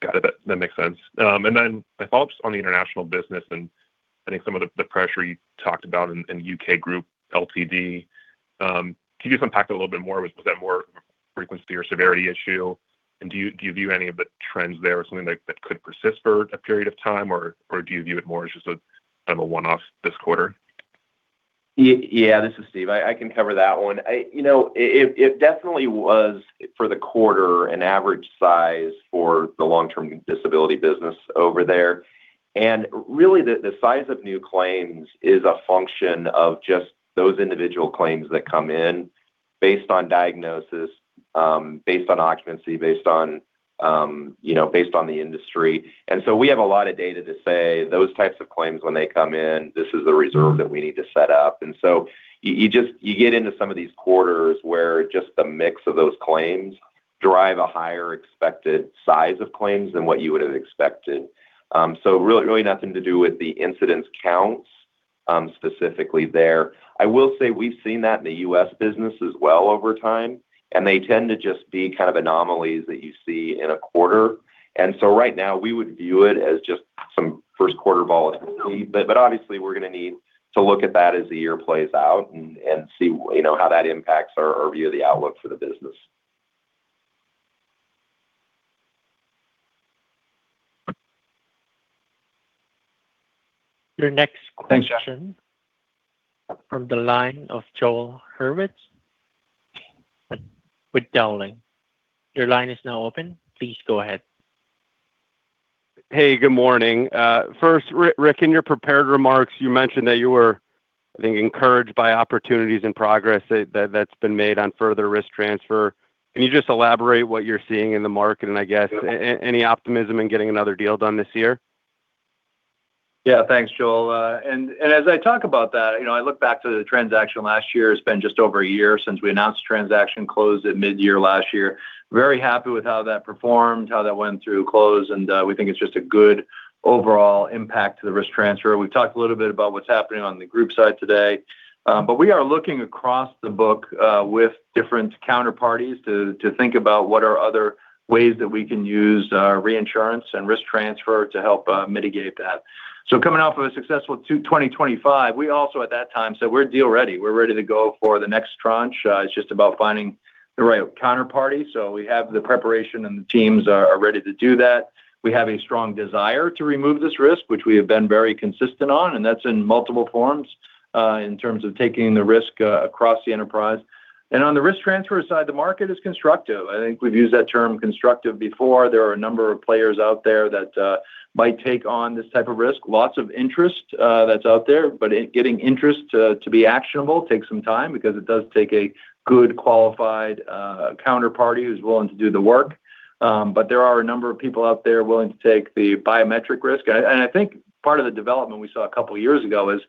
Got it. That makes sense. My follow-up's on the international business, I think some of the pressure you talked about in U.K. Group LTD. Can you just unpack that a little bit more? Was that more a frequency or severity issue? Do you view any of the trends there as something that could persist for a period of time, or do you view it more as just a kind of a one-off this quarter? Yeah. This is Steve. I can cover that one. You know, it definitely was, for the quarter, an average size for the long-term disability business over there. Really, the size of new claims is a function of just those individual claims that come in based on diagnosis, based on occupancy, based on, you know, based on the industry. We have a lot of data to say those types of claims when they come in, this is the reserve that we need to set up. You just get into some of these quarters where just the mix of those claims drive a higher expected size of claims than what you would have expected. Really nothing to do with the incidence counts specifically there. I will say we've seen that in the U.S. business as well over time, and they tend to just be kind of anomalies that you see in a quarter. So right now we would view it as just some first quarter volatility. Obviously we're gonna need to look at that as the year plays out and see, you know, how that impacts our view of the outlook for the business. Your next question from the line of Joel Hurwitz with Dowling. Your line is now open. Please go ahead. Good morning. First, Rick, in your prepared remarks, you mentioned that you were, I think, encouraged by opportunities and progress that's been made on further risk transfer. Can you just elaborate what you're seeing in the market, and I guess any optimism in getting another deal done this year? Yeah. Thanks, Joel. As I talk about that, you know, I look back to the transaction last year. It's been just over a year since we announced the transaction closed at midyear last year. Very happy with how that performed, how that went through close, and we think it's just a good overall impact to the risk transfer. We've talked a little bit about what's happening on the group side today. We are looking across the book with different counterparties to think about what are other ways that we can use reinsurance and risk transfer to help mitigate that. Coming off of a successful, 2025, we also at that time said we're deal ready. We're ready to go for the next tranche. It's just about finding the right counterparty. We have the preparation, and the teams are ready to do that. We have a strong desire to remove this risk, which we have been very consistent on, and that's in multiple forms, in terms of taking the risk across the enterprise. On the risk transfer side, the market is constructive. I think we've used that term constructive before. There are a number of players out there that might take on this type of risk. Lots of interest that's out there, but getting interest to be actionable takes some time because it does take a good qualified counterparty who's willing to do the work. But there are a number of people out there willing to take the biometric risk. I think part of the development we saw a couple of years ago is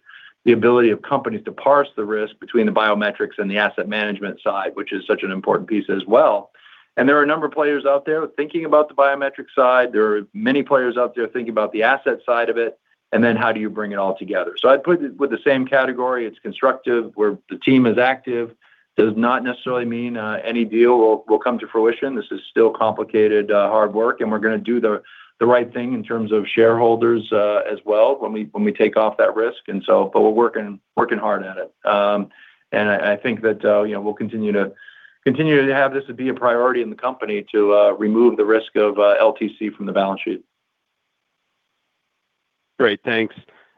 the ability of companies to parse the risk between the biometrics and the asset management side, which is such an important piece as well. There are a number of players out there thinking about the biometric side. There are many players out there thinking about the asset side of it, and then how do you bring it all together? I'd put it with the same category. It's constructive, we're the team is active. Does not necessarily mean any deal will come to fruition. This is still complicated, hard work, and we're gonna do the right thing in terms of shareholders, as well when we take off that risk. We're working hard at it. I think that, you know, we'll continue to have this to be a priority in the company to remove the risk of LTC from the balance sheet. Great. Thanks.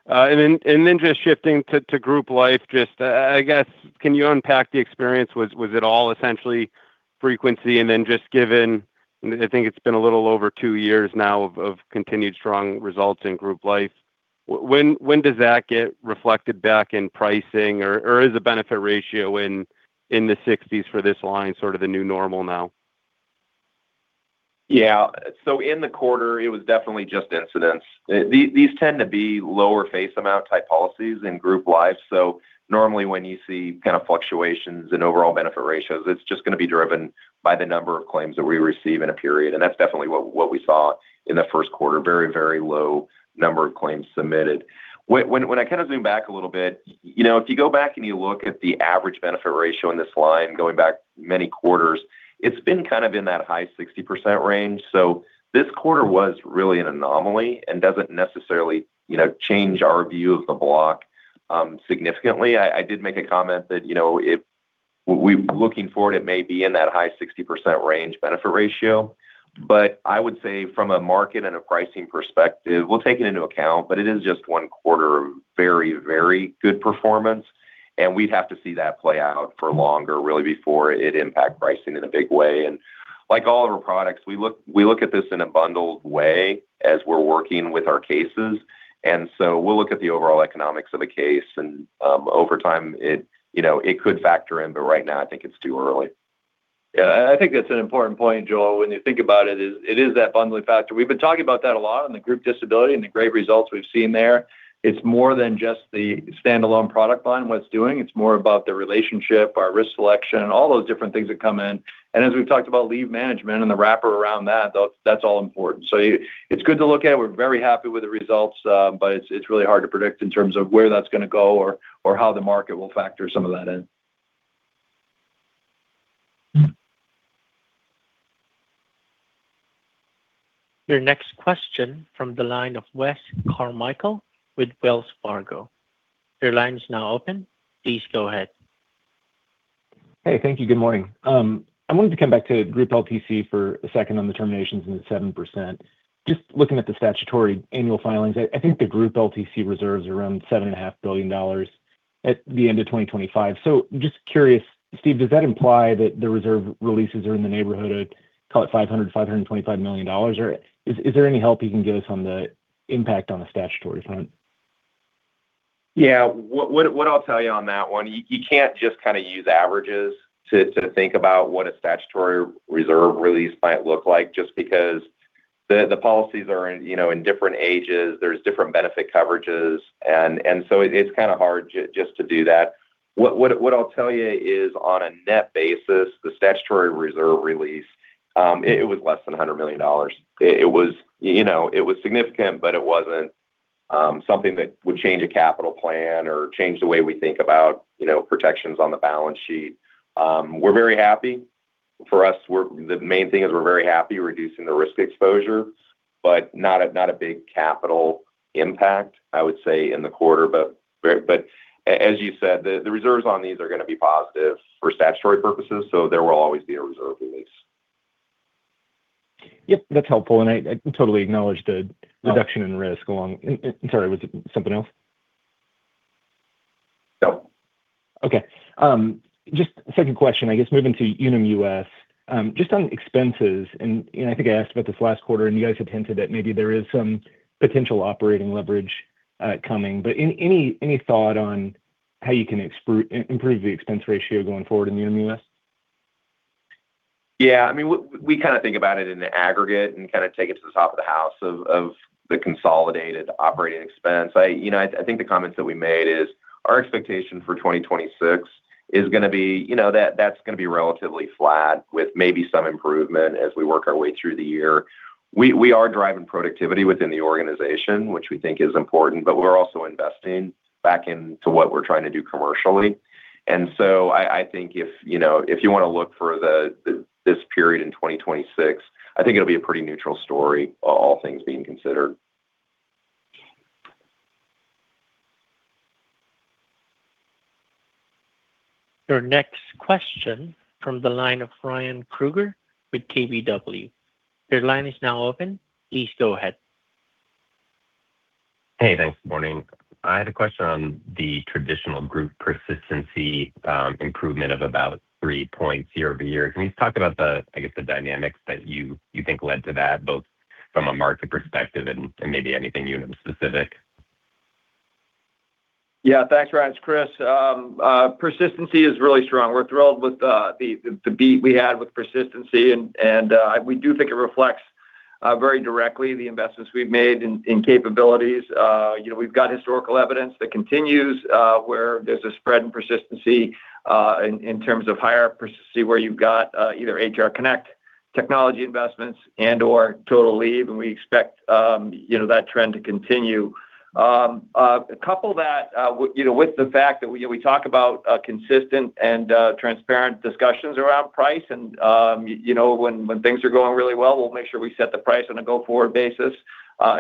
Just shifting to Group Life, I guess, can you unpack the experience? Was it all essentially frequency? Just given, I think it's been a little over two years now of continued strong results in Group Life. When does that get reflected back in pricing, or is the benefit ratio in the 60s for this line sort of the new normal now? Yeah. In the quarter, it was definitely just incidents. These tend to be lower face amount type policies in Group Life. Normally when you see kind of fluctuations in overall benefit ratios, it's just gonna be driven by the number of claims that we receive in a period, and that's definitely what we saw in the first quarter, very low number of claims submitted. When I kind of zoom back a little bit, you know, if you go back and you look at the average benefit ratio in this line going back many quarters, it's been kind of in that high 60% range. This quarter was really an anomaly and doesn't necessarily, you know, change our view of the block significantly. I did make a comment that, you know, if...We looking forward, it may be in that high 60% range benefit ratio. I would say from a market and a pricing perspective, we'll take it into account, but it is just one quarter of very good performance, and we'd have to see that play out for longer really before it impact pricing in a big way. Like all of our products, we look at this in a bundled way as we're working with our cases. We'll look at the overall economics of a case, and over time, it, you know, it could factor in, but right now I think it's too early. Yeah, I think that's an important point, Joel. When you think about it is that bundling factor. We've been talking about that a lot in the Group Disability and the great results we've seen there. It's more than just the standalone product line, what it's doing. It's more about the relationship, our risk selection, and all those different things that come in. As we've talked about leave management and the wrapper around that, though, that's all important. It's good to look at. We're very happy with the results, it's really hard to predict in terms of where that's going to go or how the market will factor some of that in. Your next question from the line of Wes Carmichael with Wells Fargo. Your line is now open. Please go ahead. Hey, thank you. Good morning. I wanted to come back to Group LTC for a second on the terminations in the 7%. Just looking at the statutory annual filings, I think the Group LTC reserves around $7.5 billion at the end of 2025. Just curious, Steve, does that imply that the reserve releases are in the neighborhood of, call it $500 million-$525 million, or is there any help you can give us on the impact on the statutory front? Yeah. What I'll tell you on that one, you can't just kind of use averages to think about what a statutory reserve release might look like just because the policies are in, you know, in different ages, there's different benefit coverages, and so it's kind of hard just to do that. What I'll tell you is on a net basis, the statutory reserve release, it was less than $100 million. It was, you know, it was significant, but it wasn't something that would change a capital plan or change the way we think about, you know, protections on the balance sheet. We're very happy. For us, the main thing is we're very happy reducing the risk exposure, but not a big capital impact, I would say, in the quarter. As you said, the reserves on these are going to be positive for statutory purposes, so there will always be a reserve release. Yep, that's helpful. I totally acknowledge the reduction in risk. Sorry, was it something else? No. Okay. Just second question, I guess, moving to Unum U.S., just on expenses, and, you know, I think I asked about this last quarter, and you guys had hinted that maybe there is some potential operating leverage coming. Any thought on how you can improve the expense ratio going forward in Unum? I mean, we kind of think about it in the aggregate and kind of take it to the top of the house of the consolidated operating expense. I, you know, I think the comments that we made is our expectation for 2026 is going to be, you know, that's going to be relatively flat with maybe some improvement as we work our way through the year. We are driving productivity within the organization, which we think is important, but we're also investing back into what we're trying to do commercially. I think if, you know, if you want to look for this period in 2026, I think it'll be a pretty neutral story, all things being considered. Your next question from the line of Ryan Krueger with KBW. Your line is now open. Please go ahead. Hey, thanks. Morning. I had a question on the traditional group persistency improvement of about three points year-over-year. Can you talk about the, I guess, the dynamics that you think led to that, both from a market perspective and maybe anything Unum specific? Yeah. Thanks, Ryan. It's Chris. Persistency is really strong. We're thrilled with the, the beat we had with persistency and we do think it reflects very directly the investments we've made in capabilities. You know, we've got historical evidence that continues where there's a spread in persistency in terms of higher persistency where you've got either Unum HR Connect technology investments and/or Unum Total Leave, and we expect, you know, that trend to continue. Couple that, you know, with the fact that we talk about consistent and transparent discussions around price, you know, when things are going really well, we'll make sure we set the price on a go-forward basis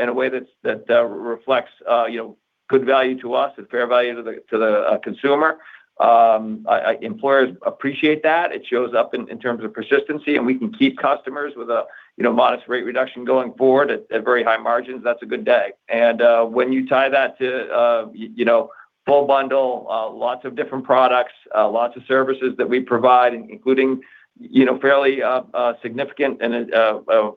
in a way that reflects, you know, good value to us and fair value to the consumer. Employers appreciate that. It shows up in terms of persistency, and we can keep customers with a, you know, modest rate reduction going forward at very high margins. That's a good day. When you tie that to, you know, full bundle, lots of different products, lots of services that we provide, including, you know, fairly significant and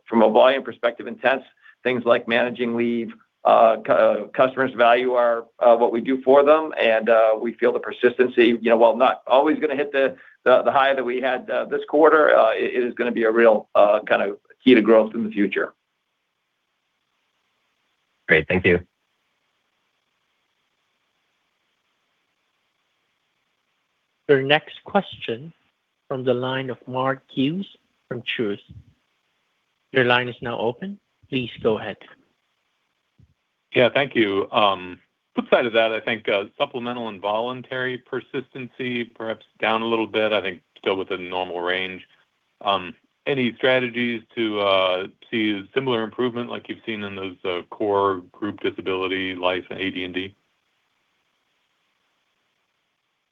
from a volume perspective, intense things like managing leave, customers value what we do for them. We feel the persistency, you know, while not always going to hit the high that we had this quarter, it is going to be a real kind of key to growth in the future. Great. Thank you. Your next question from the line of Mark Hughes from Truist. Your line is now open. Please go ahead. Yeah, thank you. Flip side of that, I think, Supplemental and Voluntary persistency perhaps down a little bit, I think still within normal range. Any strategies to see similar improvement like you've seen in those core Group Disability, Life, and AD&D?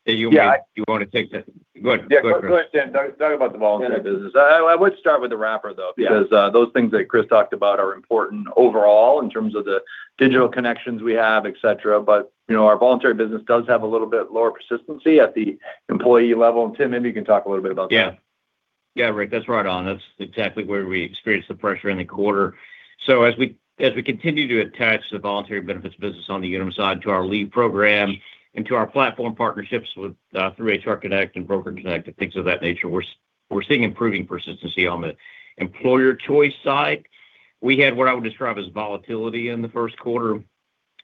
Hey, you want me. Yeah. You want to take that? Go ahead. Yeah. Go ahead, Tim. Talk about the voluntary business. I would start with the wrapper, though. Yeah... because, those things that Chris talked about are important overall in terms of the digital connections we have, et cetera. You know, our voluntary business does have a little bit lower persistency at the employee level. Tim, maybe you can talk a little bit about that. Yeah, Rick, that's right on. That's exactly where we experienced the pressure in the quarter. As we, as we continue to attach the voluntary benefits business on the Unum side to our leave program and to our platform partnerships with through HR Connect and Broker Connect and things of that nature, we're seeing improving persistency on the employer choice side. We had what I would describe as volatility in the first quarter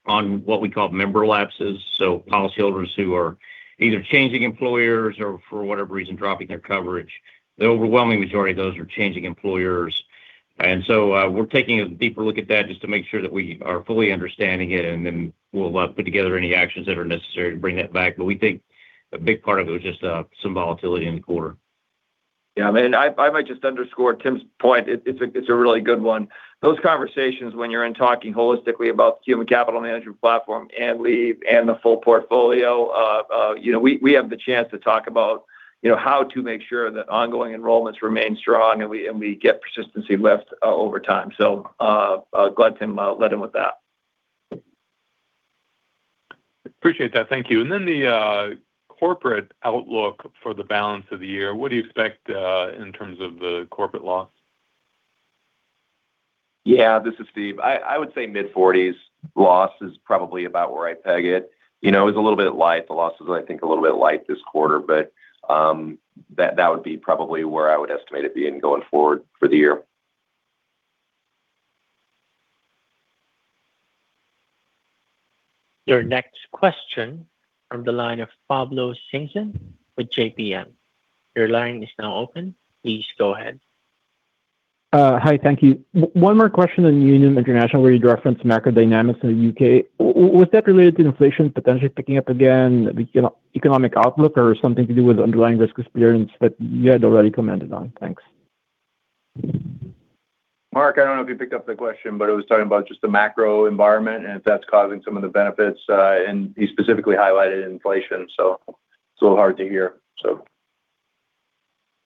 on what we call member lapses, so policyholders who are either changing employers or, for whatever reason, dropping their coverage. The overwhelming majority of those are changing employers. We're taking a deeper look at that just to make sure that we are fully understanding it, and then we'll put together any actions that are necessary to bring that back. We think a big part of it was just some volatility in the quarter. I mean, I might just underscore Tim's point. It's a really good one. Those conversations when you're in talking holistically about human capital management platform and leave and the full portfolio, you know, we have the chance to talk about, you know, how to make sure that ongoing enrollments remain strong and we get persistency lift over time. Glad Tim led in with that. Appreciate that, thank you. The corporate outlook for the balance of the year, what do you expect, in terms of the corporate loss? Yeah, this is Steve. I would say mid-40s loss is probably about where I peg it. You know, it was a little bit light. The loss was, I think, a little bit light this quarter, but that would be probably where I would estimate it being going forward for the year. Your next question from the line of Pablo Singzon with JPM. Your line is now open. Please go ahead. Hi. Thank you. One more question on Unum International, where you referenced macro dynamics in the U.K. Was that related to inflation potentially picking up again, economic outlook or something to do with underlying risk experience that you had already commented on? Thanks. Mark, I don't know if you picked up the question, but it was talking about just the macro environment and if that's causing some of the benefits, and he specifically highlighted inflation. It's a little hard to hear.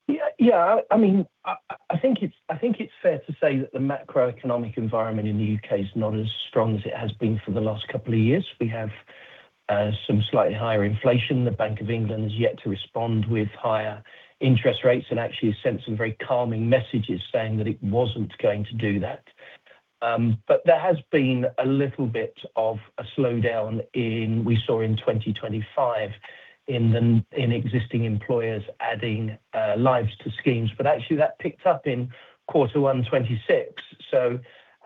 Yeah. Yeah, I mean, I think it's fair to say that the macroeconomic environment in the U.K. is not as strong as it has been for the last couple of years. We have some slightly higher inflation. The Bank of England has yet to respond with higher interest rates, and actually sent some very calming messages saying that it wasn't going to do that. There has been a little bit of a slowdown in, we saw in 2025 in the, in existing employers adding lives to schemes, but actually that picked up in quarter one 2026.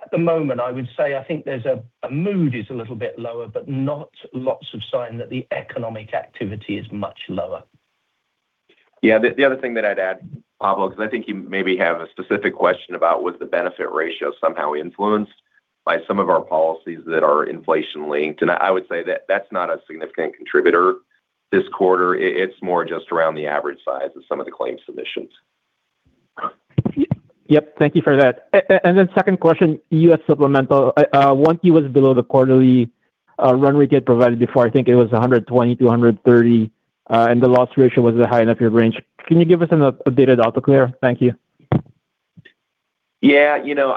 At the moment, I would say I think there's a mood is a little bit lower, but not lots of sign that the economic activity is much lower. Yeah. The other thing that I'd add, Pablo, 'cause I think you maybe have a specific question about was the benefit ratio somehow influenced by some of our policies that are inflation-linked, and I would say that that's not a significant contributor this quarter. It's more just around the average size of some of the claims submissions. Yep. Thank you for that. Second question, US Supplemental. One, it was below the quarterly run rate you had provided before. I think it was $120-$130, and the loss ratio was at the high end of your range. Can you give us an updated outlook? Thank you. Yeah, you know,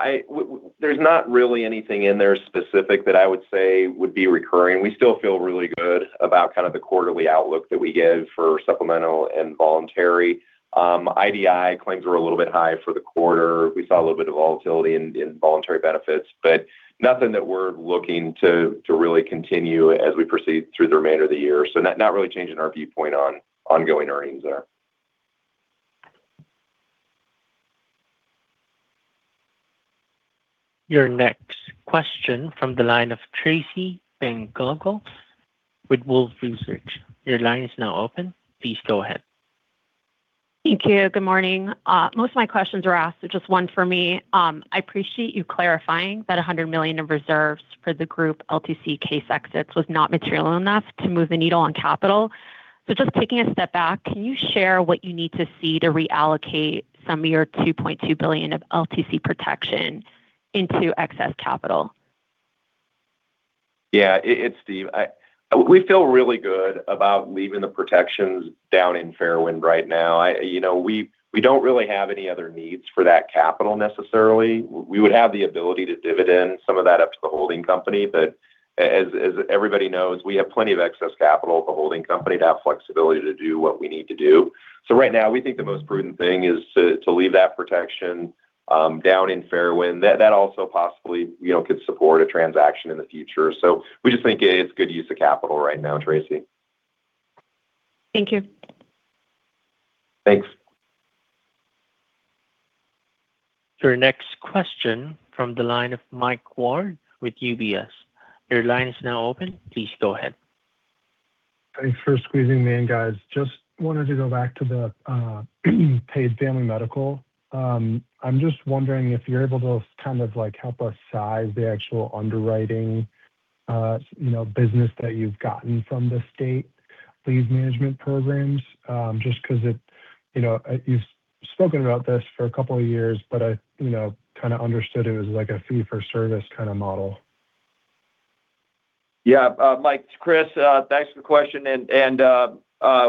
there's not really anything in there specific that I would say would be recurring. We still feel really good about kind of the quarterly outlook that we give for supplemental and voluntary. IDI claims were a little bit high for the quarter. We saw a little bit of volatility in voluntary benefits, nothing that we're looking to really continue as we proceed through the remainder of the year. Not really changing our viewpoint on ongoing earnings there. Your next question from the line of Tracy Benguigui with Wolfe Research. Your line is now open. Please go ahead. Thank you. Good morning. Most of my questions were asked, just one for me. I appreciate you clarifying that $100 million in reserves for the Group LTC case exists was not material enough to move the needle on capital. Just taking a step back, can you share what you need to see to reallocate some of your $2.2 billion of LTC protection into excess capital? Yeah. It's Steve. We feel really good about leaving the protections down in Fairwind right now. You know, we don't really have any other needs for that capital necessarily. We would have the ability to dividend some of that up to the holding company. As everybody knows, we have plenty of excess capital at the holding company to have flexibility to do what we need to do. Right now, we think the most prudent thing is to leave that protection down in Fairwind. That also possibly, you know, could support a transaction in the future. We just think it is good use of capital right now, Tracy. Thank you. Thanks. Your next question from the line of Mike Ward with UBS. Your line is now open. Please go ahead. Thanks for squeezing me in, guys. Just wanted to go back to the Paid Family Medical. I'm just wondering if you're able to kind of like help us size the actual underwriting, you know, business that you've gotten from the state leave management programs. Just 'cause it, you know, you've spoken about this for a couple of years, but I, you know, kind of understood it was like a fee-for-service kind of model. Yeah. Mike, it's Chris. Thanks for the question.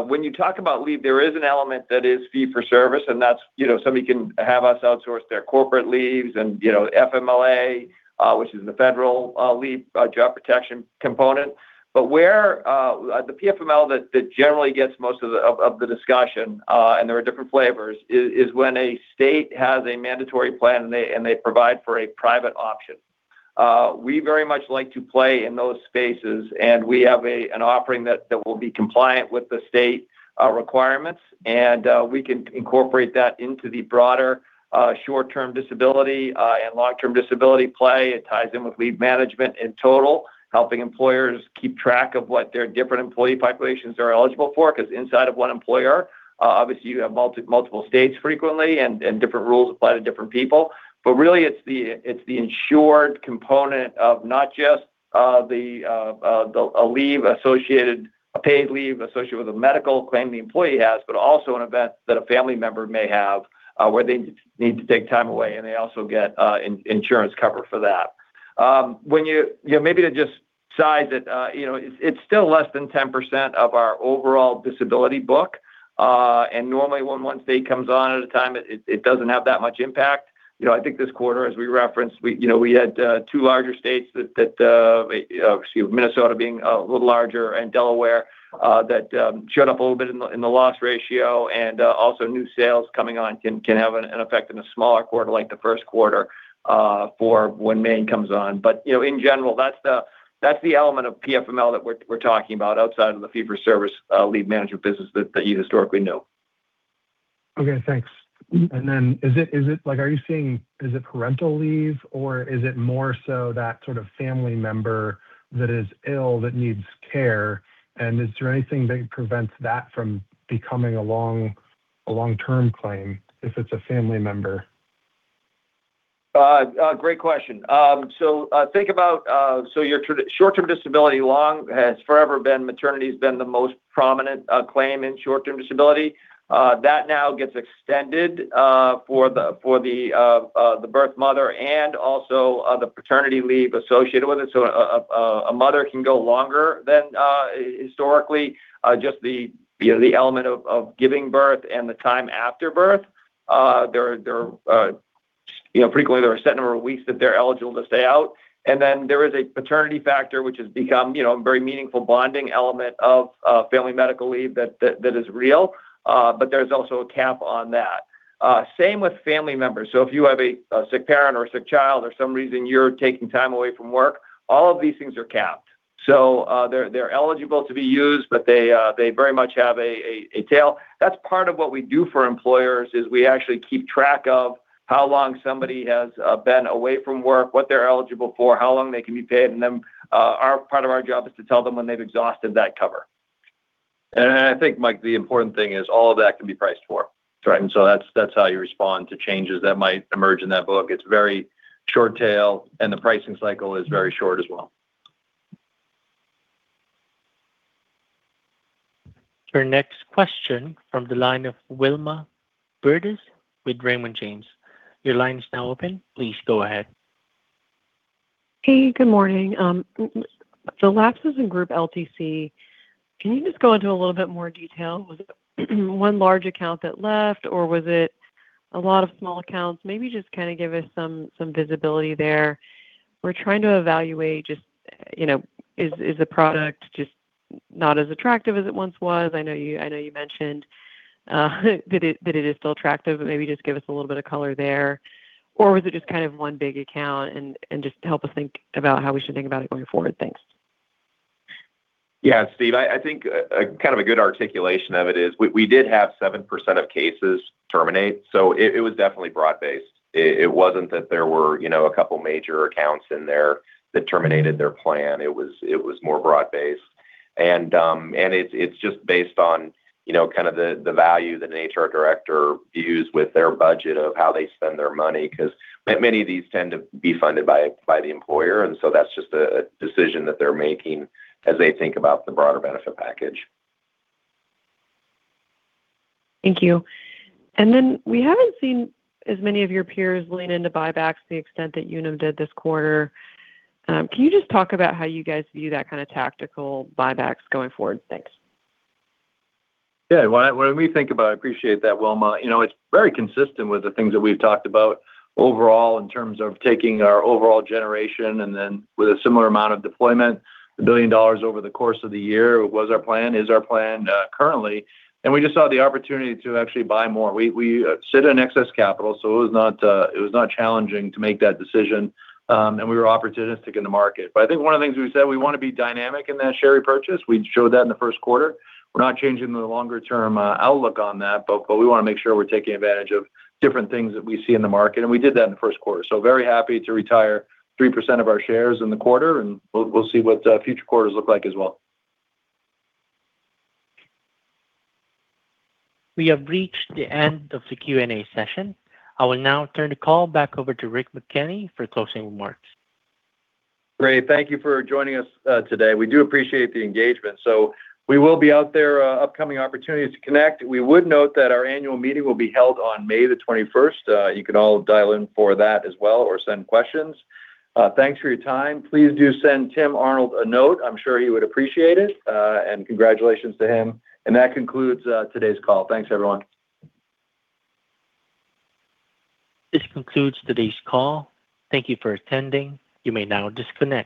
When you talk about leave, there is an element that is fee-for-service, and that's, you know, somebody can have us outsource their corporate leaves and, you know, FMLA, which is the federal leave job protection component. Where the PFML that generally gets most of the discussion, and there are different flavors, is when a state has a mandatory plan, and they provide for a private option. We very much like to play in those spaces, we have an offering that will be compliant with the state requirements. We can incorporate that into the broader short-term disability and long-term disability play. It ties in with leave management in total, helping employers keep track of what their different employee populations are eligible for. 'Cause inside of one employer, obviously, you have multiple states frequently, and different rules apply to different people. Really it's the, it's the insured component of not just a paid leave associated with a medical claim the employee has, but also an event that a family member may have, where they need to take time away, and they also get insurance cover for that. Maybe to just size it's still less than 10% of our overall disability book. Normally, when one state comes on at a time, it doesn't have that much impact. I think this quarter as we referenced, we had two larger states that, excuse me, Minnesota being a little larger and Delaware, that showed up a little bit in the loss ratio. Also, new sales coming on can have an effect in a smaller quarter, like the first quarter, for when Maine comes on. In general, that's the element of PFML that we're talking about outside of the fee-for-service leave management business that you historically know. Okay, thanks. Is it like, are you seeing is it parental leave or is it more so that sort of family member that is ill that needs care? Is there anything that prevents that from becoming a long-term claim if it's a family member? Great question. Think about short-term disability, long has forever been maternity's been the most prominent claim in short-term disability. That now gets extended for the birth mother and also the paternity leave associated with it. A mother can go longer than historically, just you know, the element of giving birth and the time after birth. There, you know, frequently there are a set number of weeks that they're eligible to stay out. There is a paternity factor, which has become, you know, a very meaningful bonding element of Family Medical Leave that is real. There's also a cap on that. Same with family members. If you have a sick parent or a sick child or some reason you're taking time away from work, all of these things are capped. They're eligible to be used, but they very much have a tail. That's part of what we do for employers: is we actually keep track of how long somebody has been away from work, what they're eligible for, how long they can be paid. Then part of our job is to tell them when they've exhausted that cover. I think, Mike, the important thing is all of that can be priced for. That's right. That's how you respond to changes that might emerge in that book. It's very short tail, and the pricing cycle is very short as well. Our next question from the line of Wilma Burdis with Raymond James. Good morning. The lapses in Group LTC, can you just go into a little bit more detail? Was it one large account that left or was it a lot of small accounts? Maybe just kind of give us some visibility there. We're trying to evaluate just, you know, is the product just not as attractive as it once was. I know you mentioned that it is still attractive, but maybe just give us a little bit of color there. Was it just kind of one big account? Just help us think about how we should think about it going forward. Thanks. Yeah, Steve, I think, kind of a good articulation of it is we did have 7% of cases terminate, so it was definitely broad-based. It wasn't that there were, you know, a couple major accounts in there that terminated their plan. It was more broad-based. It's just based on, you know, kind of the value that an HR director views with their budget of how they spend their money. Many of these tend to be funded by the employer, that's just a decision that they're making as they think about the broader benefit package. Thank you. We haven't seen as many of your peers lean into buybacks to the extent that Unum did this quarter. Can you just talk about how you guys view that kind of tactical buybacks going forward? Thanks. When I, when we think about it, I appreciate that, Wilma. You know, it's very consistent with the things that we've talked about overall in terms of taking our overall generation and then with a similar amount of deployment, $1 billion over the course of the year was our plan, is our plan currently. We just saw the opportunity to actually buy more. We sit in excess capital, it was not challenging to make that decision. We were opportunistic in the market. I think one of the things we said, we want to be dynamic in that share repurchase. We showed that in the first quarter. We're not changing the longer-term outlook on that, but we want to make sure we're taking advantage of different things that we see in the market, and we did that in the first quarter. Very happy to retire 3% of our shares in the quarter, and we'll see what future quarters look like as well. We have reached the end of the Q&A session. I will now turn the call back over to Rick McKenney for closing remarks. Great. Thank you for joining us today. We do appreciate the engagement. We will be out there, upcoming opportunities to connect. We would note that our annual meeting will be held on May the 21st. You can all dial in for that as well, or send questions. Thanks for your time. Please do send Tim Arnold a note. I'm sure he would appreciate it. Congratulations to him. That concludes today's call. Thanks, everyone. This concludes today's call. Thank you for attending. You may now disconnect.